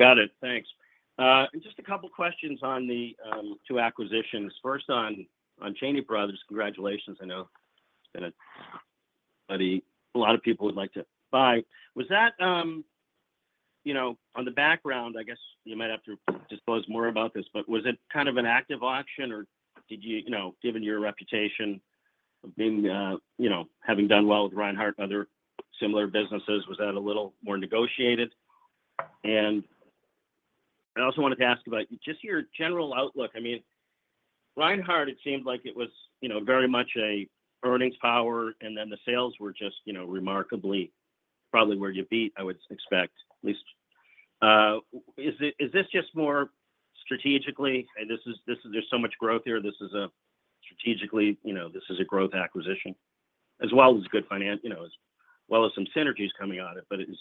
Got it. Thanks. And just a couple questions on the two acquisitions. First, on Cheney Brothers. Congratulations, I know it's been a beauty a lot of people would like to buy. Was that, you know, on the background, I guess you might have to disclose more about this, but was it kind of an active auction, or did you, you know, given your reputation of being, you know, having done well with Reinhart and other similar businesses, was that a little more negotiated? And I also wanted to ask about just your general outlook. I mean, Reinhart, it seemed like it was, you know, very much a earnings power, and then the sales were just, you know, remarkably probably where you beat, I would expect at least. Is this just more strategically, and this is, this is—there's so much growth here, this is strategically, you know, this is a growth acquisition, as well as good finance, you know, as well as some synergies coming on it. But is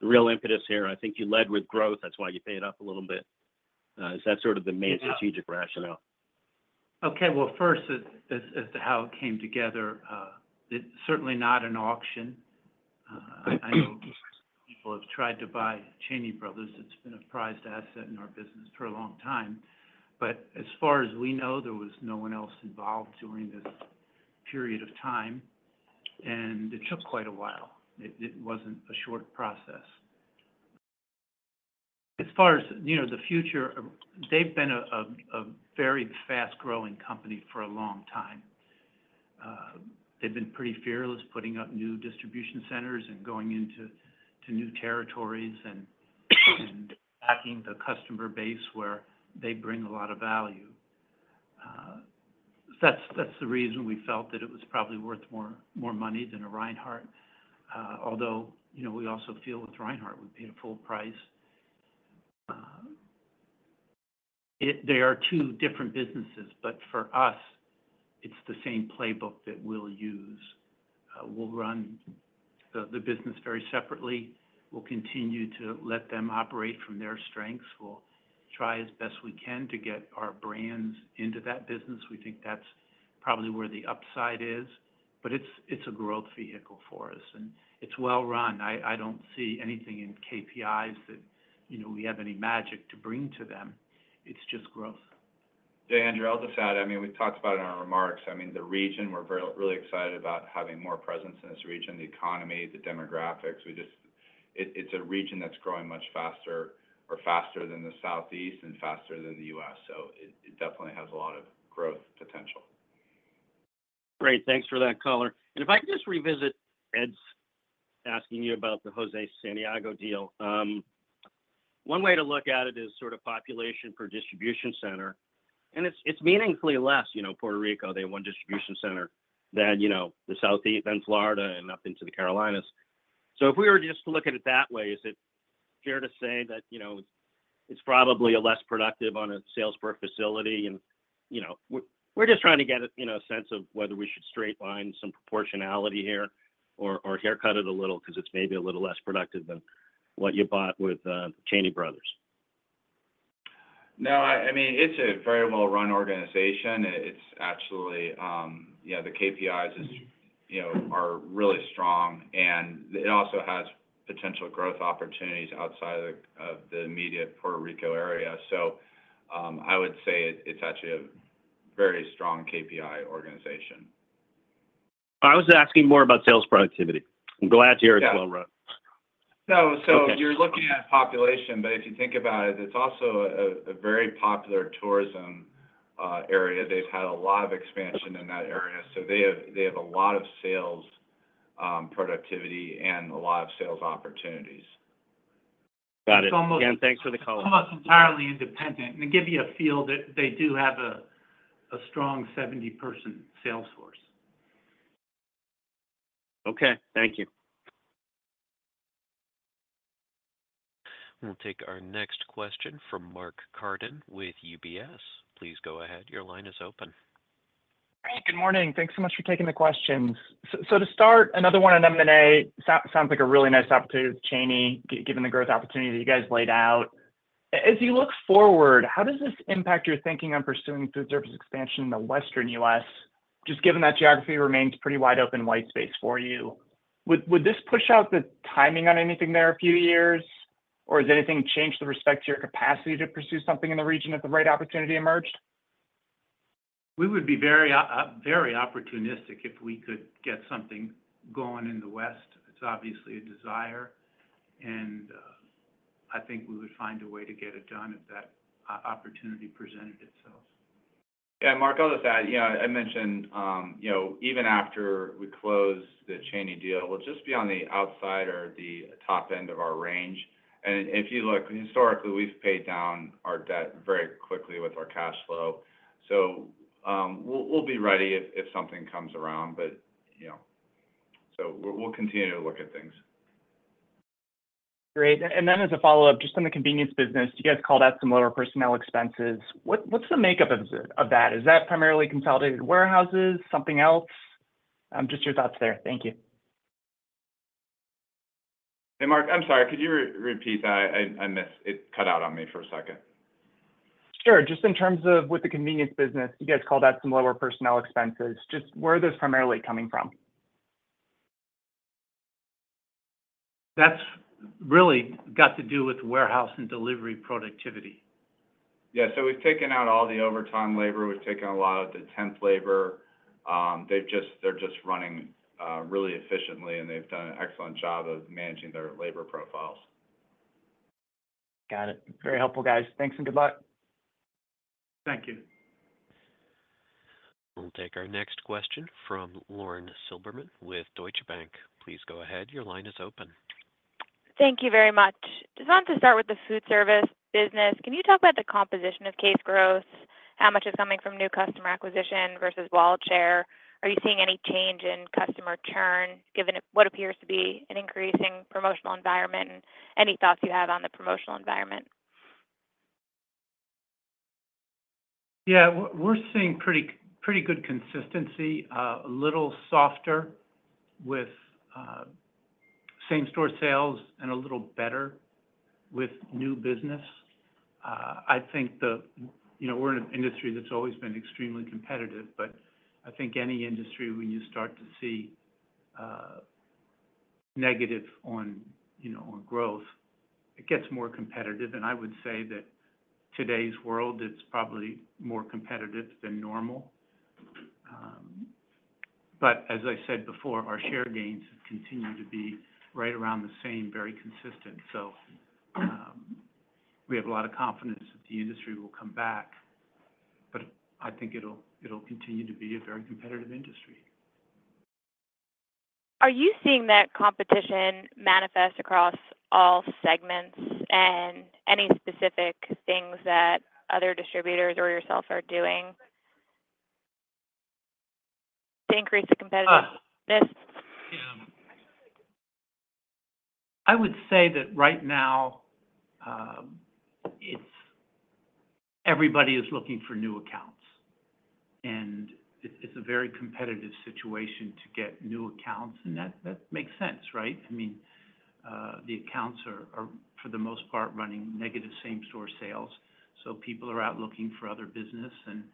the real impetus here, I think you led with growth, that's why you pay it up a little bit. Is that sort of the main- Yeah - strategic rationale? Okay. Well, first, as to how it came together, it's certainly not an auction. I know people have tried to buy Cheney Brothers. It's been a prized asset in our business for a long time, but as far as we know, there was no one else involved during this period of time, and it took quite a while. It wasn't a short process. As far as, you know, the future, they've been a very fast-growing company for a long time. They've been pretty fearless, putting up new distribution centers and going into new territories and packing the customer base where they bring a lot of value. That's the reason we felt that it was probably worth more money than a Reinhart. Although, you know, we also feel with Reinhart, we paid a full price. They are two different businesses, but for us, it's the same playbook that we'll use. We'll run the business very separately. We'll continue to let them operate from their strengths. We'll try as best we can to get our brands into that business. We think that's probably where the upside is, but it's a growth vehicle for us, and it's well run. I don't see anything in KPIs that, you know, we have any magic to bring to them. It's just growth. Yeah, Andrew, I'll just add. I mean, we talked about it in our remarks. I mean, the region, we're really excited about having more presence in this region, the economy, the demographics. It's a region that's growing much faster or faster than the Southeast and faster than the U.S., so it definitely has a lot of growth potential. Great. Thanks for that color. And if I could just revisit Ed's asking you about the José Santiago deal. One way to look at it is sort of population per distribution center, and it's, it's meaningfully less, you know, Puerto Rico, they have one distribution center than, you know, the Southeast and Florida and up into the Carolinas. So if we were just to look at it that way, is it fair to say that, you know, it's, it's probably a less productive on a sales per facility? And, you know, we're just trying to get a, you know, sense of whether we should straight line some proportionality here or, or haircut it a little because it's maybe a little less productive than what you bought with, Cheney Brothers. No, I mean, it's a very well-run organization. It's actually, yeah, the KPIs is, you know, are really strong, and it also has potential growth opportunities outside of the immediate Puerto Rico area. So, I would say it's actually a very strong KPI organization. I was asking more about sales productivity. I'm glad to hear- Yeah... it's well run. No, so- Okay... you're looking at population, but if you think about it, it's also a very popular tourism area. They've had a lot of expansion in that area, so they have a lot of sales productivity and a lot of sales opportunities. Got it. It's almost- Again, thanks for the call.... almost entirely independent, and to give you a feel that they do have a strong 70-person sales force. Okay. Thank you. We'll take our next question from Mark Carden with UBS. Please go ahead. Your line is open. Good morning. Thanks so much for taking the questions. So to start, another one on M&A. Sounds like a really nice opportunity with Cheney, given the growth opportunity that you guys laid out. As you look forward, how does this impact your thinking on pursuing foodservice expansion in the Western U.S., just given that geography remains pretty wide open white space for you? Would this push out the timing on anything there a few years, or has anything changed with respect to your capacity to pursue something in the region if the right opportunity emerged? We would be very opportunistic if we could get something going in the West. It's obviously a desire, and I think we would find a way to get it done if that opportunity presented itself. Yeah, Mark, I'll just add, you know, I mentioned, you know, even after we close the Cheney deal, we'll just be on the outside or the top end of our range. And if you look, historically, we've paid down our debt very quickly with our cash flow. So, we'll be ready if something comes around, but, you know... So we, we'll continue to look at things. Great. And then as a follow-up, just on the convenience business, you guys called out some lower personnel expenses. What, what's the makeup of the, of that? Is that primarily consolidated warehouses, something else? Just your thoughts there. Thank you. Hey, Mark, I'm sorry. Could you re-repeat that? I missed. It cut out on me for a second. Sure. Just in terms of with the convenience business, you guys called out some lower personnel expenses. Just where are those primarily coming from? That's really got to do with warehouse and delivery productivity. Yeah. So we've taken out all the overtime labor, we've taken a lot of the temp labor. They've just—they're just running really efficiently, and they've done an excellent job of managing their labor profiles. Got it. Very helpful, guys. Thanks, and good luck. Thank you. We'll take our next question from Lauren Silberman with Deutsche Bank. Please go ahead. Your line is open. Thank you very much. Just want to start with the foodservice business. Can you talk about the composition of case growth? How much is coming from new customer acquisition versus wallet share? Are you seeing any change in customer churn, given what appears to be an increasing promotional environment? Any thoughts you have on the promotional environment? Yeah, we're seeing pretty, pretty good consistency, a little softer with same-store sales and a little better with new business. I think. You know, we're in an industry that's always been extremely competitive, but I think any industry, when you start to see negative on, you know, on growth, it gets more competitive. And I would say that today's world, it's probably more competitive than normal. But as I said before, our share gains continue to be right around the same, very consistent. So, we have a lot of confidence that the industry will come back, but I think it'll, it'll continue to be a very competitive industry. Are you seeing that competition manifest across all segments, and any specific things that other distributors or yourself are doing to increase the competitiveness? Yeah. I would say that right now, it's—everybody is looking for new accounts, and it's a very competitive situation to get new accounts, and that makes sense, right? I mean, the accounts are, for the most part, running negative same-store sales, so people are out looking for other business. And,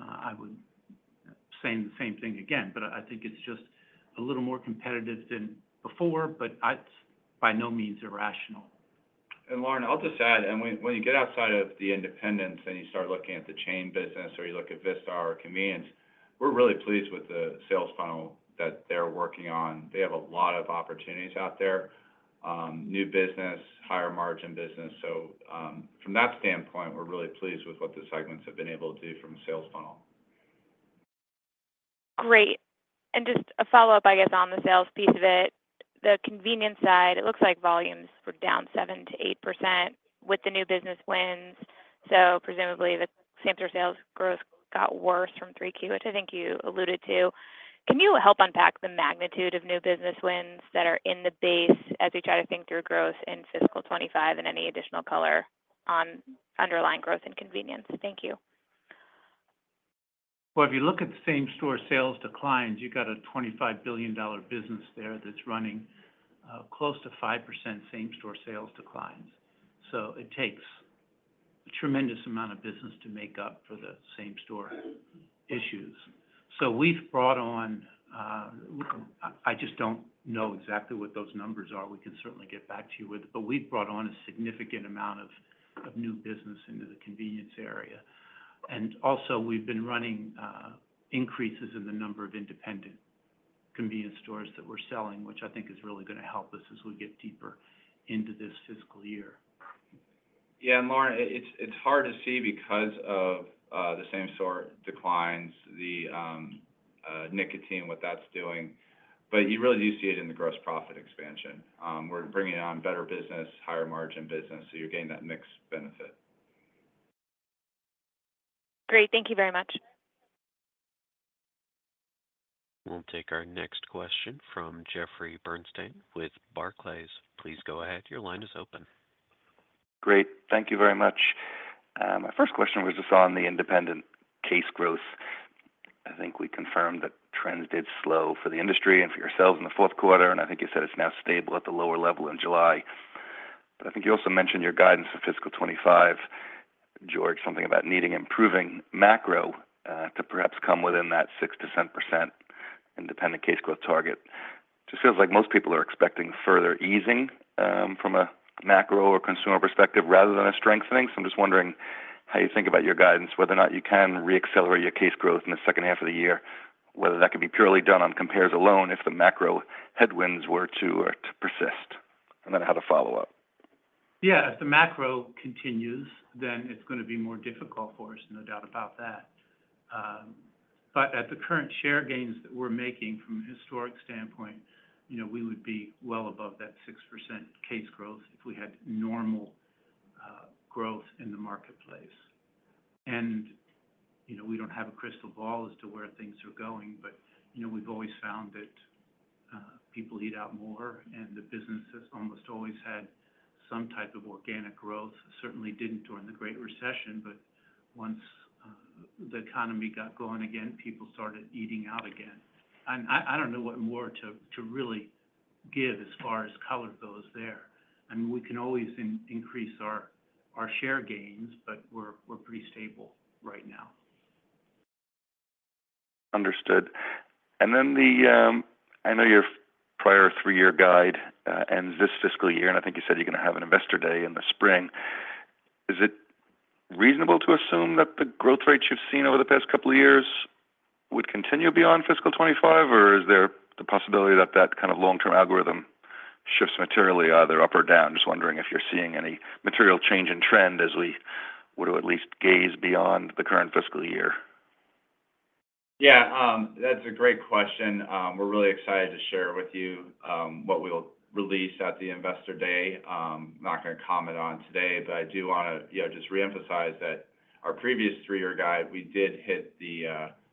I would say the same thing again, but I think it's just a little more competitive than before, but it's by no means irrational. And Lauren, I'll just add, when you get outside of the independents and you start looking at the chain business or you look at Vistar or Convenience, we're really pleased with the sales funnel that they're working on. They have a lot of opportunities out there, new business, higher margin business. So, from that standpoint, we're really pleased with what the segments have been able to do from a sales funnel. Great. And just a follow-up, I guess, on the sales piece of it. The convenience side, it looks like volumes were down 7%-8% with the new business wins. So presumably, the same-store sales growth got worse from 3Q, which I think you alluded to. Can you help unpack the magnitude of new business wins that are in the base as we try to think through growth in fiscal 2025 and any additional color on underlying growth and convenience? Thank you. Well, if you look at the same-store sales declines, you got a $25 billion business there that's running close to 5% same-store sales declines. So it takes a tremendous amount of business to make up for the same-store issues. So we've brought on, I just don't know exactly what those numbers are. We can certainly get back to you with, but we've brought on a significant amount of new business into the convenience area. And also, we've been running increases in the number of independent convenience stores that we're selling, which I think is really gonna help us as we get deeper into this fiscal year. Yeah, Lauren, it's hard to see because of the same-store declines, the nicotine, what that's doing, but you really do see it in the gross profit expansion. We're bringing on better business, higher margin business, so you're getting that mix benefit. Great. Thank you very much. We'll take our next question from Jeffrey Bernstein with Barclays. Please go ahead. Your line is open. Great. Thank you very much. My first question was just on the independent case growth. I think we confirmed that trends did slow for the industry and for yourselves in the fourth quarter, and I think you said it's now stable at the lower level in July. But I think you also mentioned your guidance for fiscal 2025, George, something about needing improving macro to perhaps come within that 6%-7% independent case growth target. Just feels like most people are expecting further easing from a macro or consumer perspective rather than a strengthening. So I'm just wondering how you think about your guidance, whether or not you can reaccelerate your case growth in the second half of the year, whether that can be purely done on compares alone if the macro headwinds were to persist? And then I have a follow-up. Yeah. If the macro continues, then it's gonna be more difficult for us, no doubt about that. But at the current share gains that we're making from a historic standpoint, you know, we would be well above that 6% case growth if we had normal growth in the marketplace. And, you know, we don't have a crystal ball as to where things are going, but, you know, we've always found that people eat out more, and the business has almost always had some type of organic growth. Certainly didn't during the Great Recession, but once the economy got going again, people started eating out again. I don't know what more to really give as far as color goes there. I mean, we can always increase our share gains, but we're pretty stable right now. Understood. And then the I know your prior three-year guide ends this fiscal year, and I think you said you're gonna have an investor day in the spring. Is it reasonable to assume that the growth rates you've seen over the past couple of years would continue beyond fiscal 2025, or is there the possibility that that kind of long-term algorithm shifts materially, either up or down? Just wondering if you're seeing any material change in trend as we were to at least gaze beyond the current fiscal year. Yeah, that's a great question. We're really excited to share with you what we will release at the Investor Day. Not gonna comment on today, but I do wanna, you know, just reemphasize that our previous three-year guide, we did hit the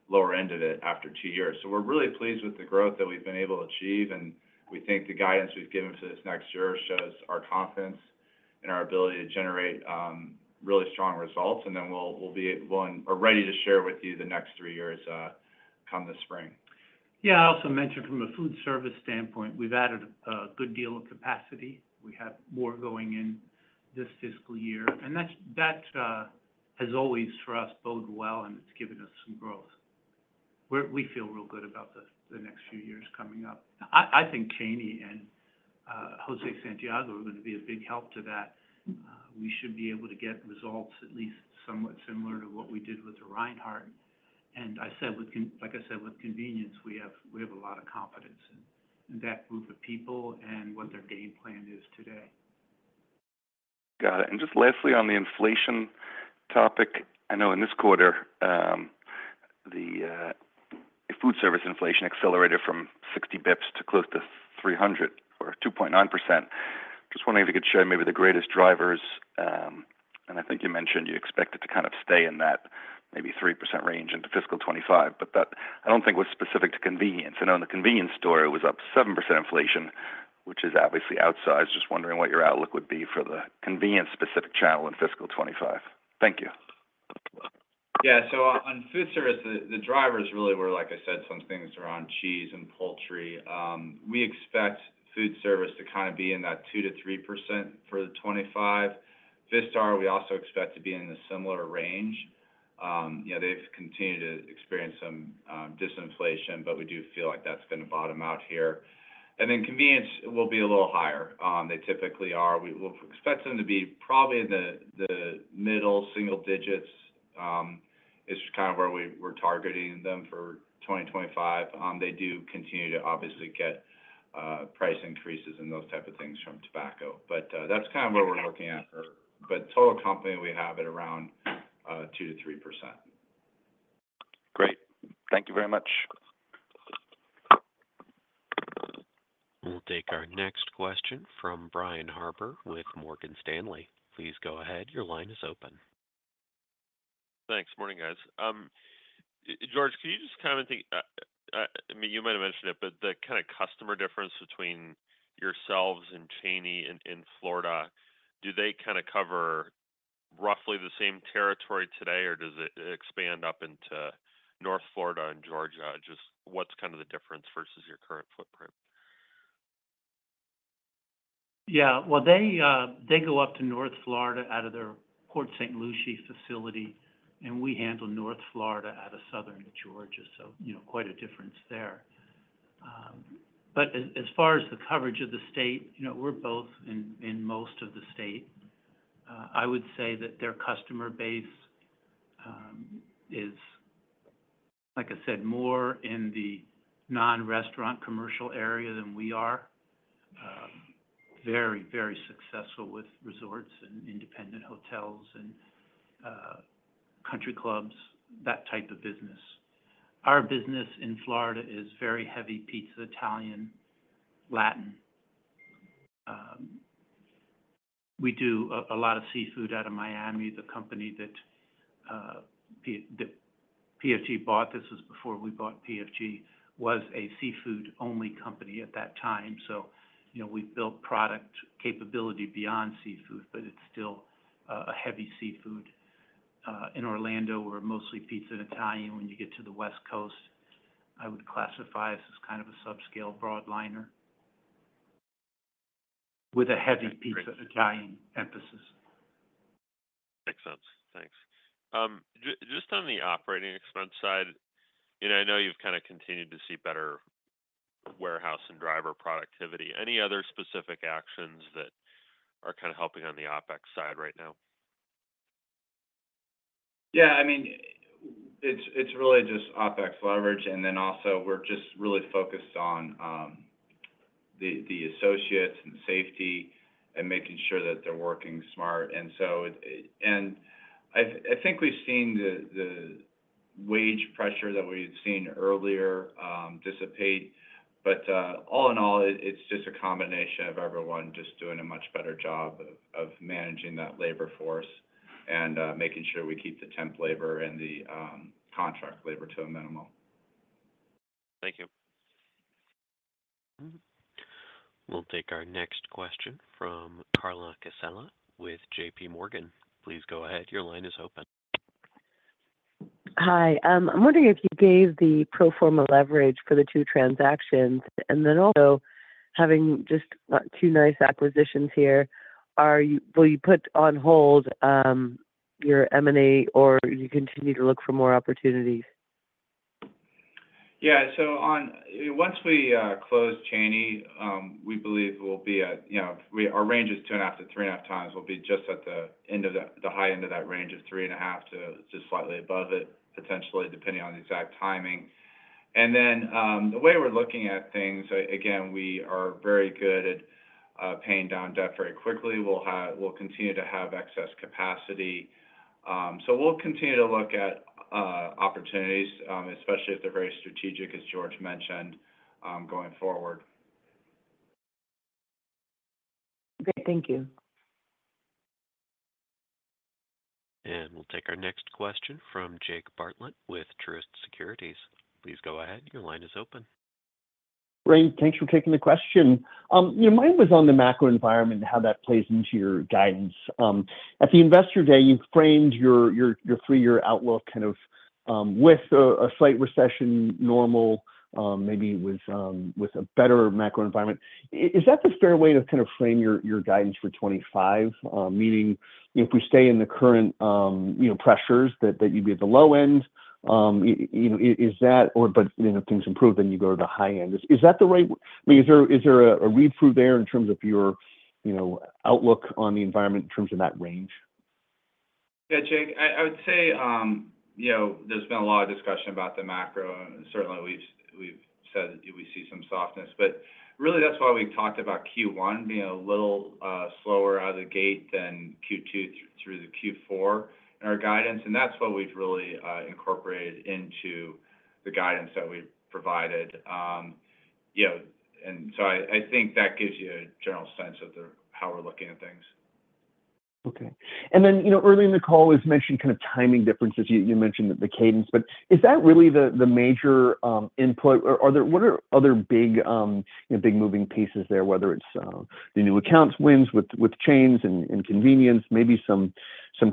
lower end of it after two years. So we're really pleased with the growth that we've been able to achieve, and we think the guidance we've given for this next year shows our confidence in our ability to generate really strong results. And then we'll be able. We're ready to share with you the next three years come this spring. Yeah. I also mentioned from a foodservice standpoint, we've added a good deal of capacity. We have more going in this fiscal year, and that's has always, for us, bode well, and it's given us some growth. We feel real good about the next few years coming up. I think Cheney and José Santiago are gonna be a big help to that. We should be able to get results at least somewhat similar to what we did with Reinhart. Like I said, with convenience, we have a lot of confidence in that group of people and what their game plan is today. Got it. Just lastly, on the inflation topic, I know in this quarter, the foodservice inflation accelerated from 60 basis points to close to 300 or 2.9%. Just wondering if you could share maybe the greatest drivers, and I think you mentioned you expect it to kind of stay in that maybe 3% range into fiscal 2025, but that, I don't think, was specific to convenience. I know in the convenience store, it was up 7% inflation, which is obviously outsized. Just wondering what your outlook would be for the convenience-specific channel in fiscal 2025. Thank you. Yeah. So on foodservice, the drivers really were, like I said, some things around cheese and poultry. We expect foodservice to kind of be in that 2%-3% for the 2025. Vistar, we also expect to be in a similar range. Yeah, they've continued to experience some disinflation, but we do feel like that's gonna bottom out here. And then convenience will be a little higher. They typically are. We'll expect them to be probably in the middle single digits, is kind of where we're targeting them for 2025. They do continue to obviously get price increases and those type of things from tobacco. But that's kind of what we're looking at for. But total company, we have at around 2%-3%. Great. Thank you very much. We'll take our next question from Brian Harbour with Morgan Stanley. Please go ahead. Your line is open. Thanks. Morning, guys. George, can you just kind of think, I mean, you might have mentioned it, but the kind of customer difference between yourselves and Cheney in, in Florida, do they kinda cover roughly the same territory today, or does it expand up into North Florida and Georgia? Just what's kind of the difference versus your current footprint? Yeah. Well, they go up to North Florida out of their Port St. Lucie facility, and we handle North Florida out of Southern Georgia, so, you know, quite a difference there. But as far as the coverage of the state, you know, we're both in most of the state. I would say that their customer base is, like I said, more in the non-restaurant commercial area than we are. Very, very successful with resorts and independent hotels and country clubs, that type of business. Our business in Florida is very heavy pizza, Italian, Latin. We do a lot of seafood out of Miami. The company that PFG bought, this was before we bought PFG, was a seafood-only company at that time. So, you know, we've built product capability beyond seafood, but it's still a heavy seafood. In Orlando, we're mostly pizza and Italian. When you get to the West Coast, I would classify us as kind of a subscale broadliner with a heavy pizza-Italian emphasis. Makes sense. Thanks. Just on the operating expense side, you know, I know you've kind of continued to see better warehouse and driver productivity. Any other specific actions that are kind of helping on the OpEx side right now? Yeah, I mean, it's really just OpEx leverage, and then also we're just really focused on the associates and safety and making sure that they're working smart. And so, it and I think we've seen the wage pressure that we've seen earlier dissipate. But, all in all, it's just a combination of everyone just doing a much better job of managing that labor force and making sure we keep the temp labor and the contract labor to a minimum. Thank you. We'll take our next question from Carla Casella with J.P. Morgan. Please go ahead. Your line is open. Hi. I'm wondering if you gave the pro forma leverage for the two transactions, and then also, having just two nice acquisitions here, are you, will you put on hold your M&A, or you continue to look for more opportunities? Yeah. So once we close Cheney, we believe we'll be at. Our range is 2.5-3.5 times. We'll be just at the end of the high end of that range of 3.5 to just slightly above it, potentially, depending on the exact timing. Then, the way we're looking at things, again, we are very good at paying down debt very quickly. We'll continue to have excess capacity. So we'll continue to look at opportunities, especially if they're very strategic, as George mentioned, going forward. Great. Thank you. We'll take our next question from Jake Bartlett with Truist Securities. Please go ahead. Your line is open. Great. Thanks for taking the question. You know, mine was on the macro environment and how that plays into your guidance. At the Investor Day, you framed your three-year outlook kind of with a slight recession, normal, maybe with a better macro environment. Is that the fair way to kind of frame your guidance for 25? Meaning if we stay in the current, you know, pressures that you'd be at the low end, you know, is that-- or, but, you know, if things improve, then you go to the high end. Is that the right-- I mean, is there a read-through there in terms of your, you know, outlook on the environment in terms of that range? Yeah, Jake, I would say, you know, there's been a lot of discussion about the macro, and certainly we've said that we see some softness. But really, that's why we talked about Q1 being a little slower out of the gate than Q2 through the Q4 in our guidance, and that's what we've really incorporated into the guidance that we've provided. You know, and so I think that gives you a general sense of how we're looking at things. Okay. And then, you know, early in the call, was mentioned kind of timing differences. You mentioned the cadence, but is that really the major input? Or are there—what are other big, you know, big moving pieces there, whether it's the new accounts wins with chains and convenience, maybe some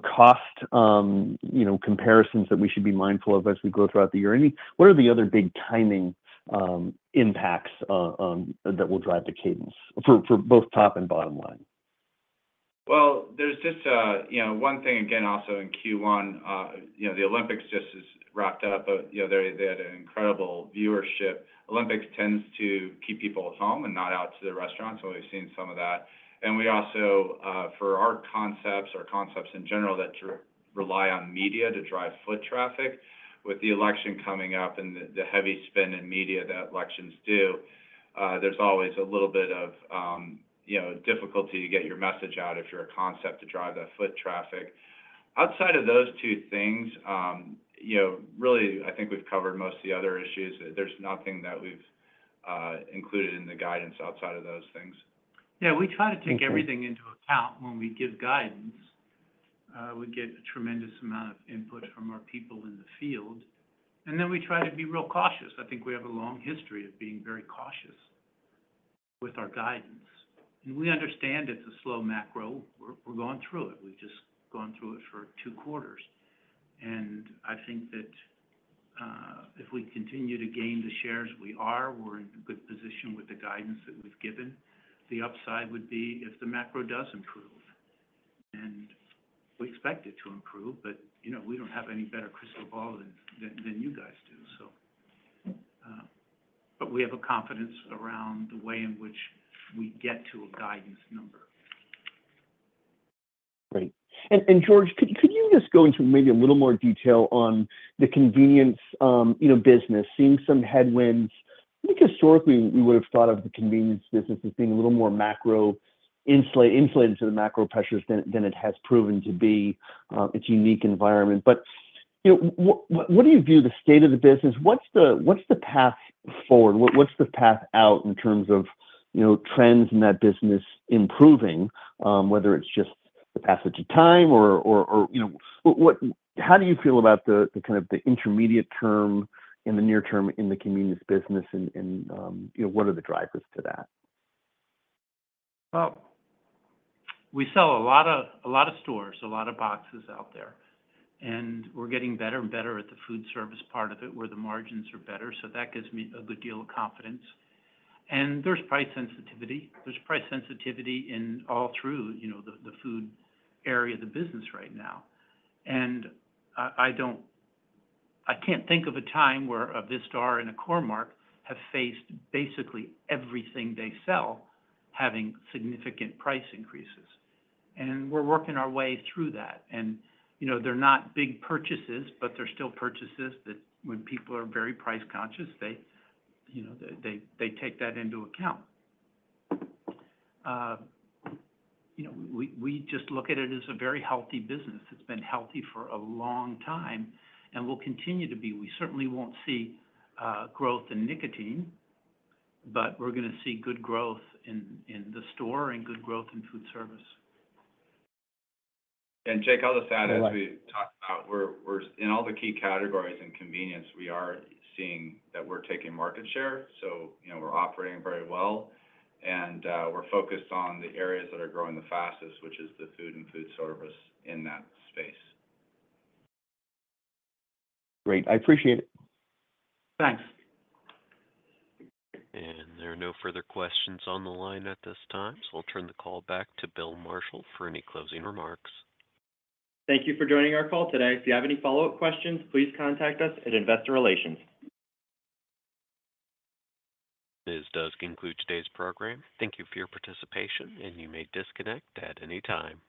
cost, you know, comparisons that we should be mindful of as we go throughout the year? Any—what are the other big timing impacts that will drive the cadence for both top and bottom line? Well, there's just, you know, one thing, again, also in Q1, you know, the Olympics just is wrapped up, but, you know, they, they had an incredible viewership. Olympics tends to keep people at home and not out to the restaurant, so we've seen some of that. We also, for our concepts, or concepts in general, that rely on media to drive foot traffic, with the election coming up and the, the heavy spend in media that elections do, there's always a little bit of, you know, difficulty to get your message out if you're a concept to drive that foot traffic. Outside of those two things, you know, really, I think we've covered most of the other issues. There's nothing that we've included in the guidance outside of those things. Yeah, we try to take everything into account when we give guidance. We get a tremendous amount of input from our people in the field, and then we try to be real cautious. I think we have a long history of being very cautious with our guidance. And we understand it's a slow macro. We're, we're going through it. We've just gone through it for two quarters. And I think that if we continue to gain the shares we are, we're in a good position with the guidance that we've given. The upside would be if the macro does improve, and we expect it to improve, but you know, we don't have any better crystal ball than you guys do, so. But we have a confidence around the way in which we get to a guidance number. Great. And George, could you just go into maybe a little more detail on the convenience, you know, business, seeing some headwinds? I think historically, we would have thought of the convenience business as being a little more macro insulate, insulated to the macro pressures than it has proven to be, its unique environment. But, you know, what do you view the state of the business? What's the path forward? What's the path out in terms of, you know, trends in that business improving? Whether it's just the passage of time or, you know... What-- how do you feel about the kind of the intermediate term and the near term in the convenience business and, you know, what are the drivers to that? Well, we sell a lot of, a lot of stores, a lot of boxes out there, and we're getting better and better at the foodservice part of it, where the margins are better, so that gives me a good deal of confidence. And there's price sensitivity. There's price sensitivity in all through, you know, the, the food area of the business right now. And I, I don't, I can't think of a time where a Vistar and a Core-Mark have faced basically everything they sell having significant price increases. And we're working our way through that. And, you know, they're not big purchases, but they're still purchases that when people are very price conscious, they, you know, they take that into account. You know, we just look at it as a very healthy business. It's been healthy for a long time and will continue to be. We certainly won't see growth in nicotine, but we're gonna see good growth in the store and good growth in foodservice. And Jake, I'll just add, as we talked about, we're in all the key categories and convenience, we are seeing that we're taking market share, so, you know, we're operating very well. And we're focused on the areas that are growing the fastest, which is the food and foodservice in that space. Great. I appreciate it. Thanks. There are no further questions on the line at this time, so I'll turn the call back to Bill Marshall for any closing remarks. Thank you for joining our call today. If you have any follow-up questions, please contact us at Investor Relations. This does conclude today's program. Thank you for your participation, and you may disconnect at any time.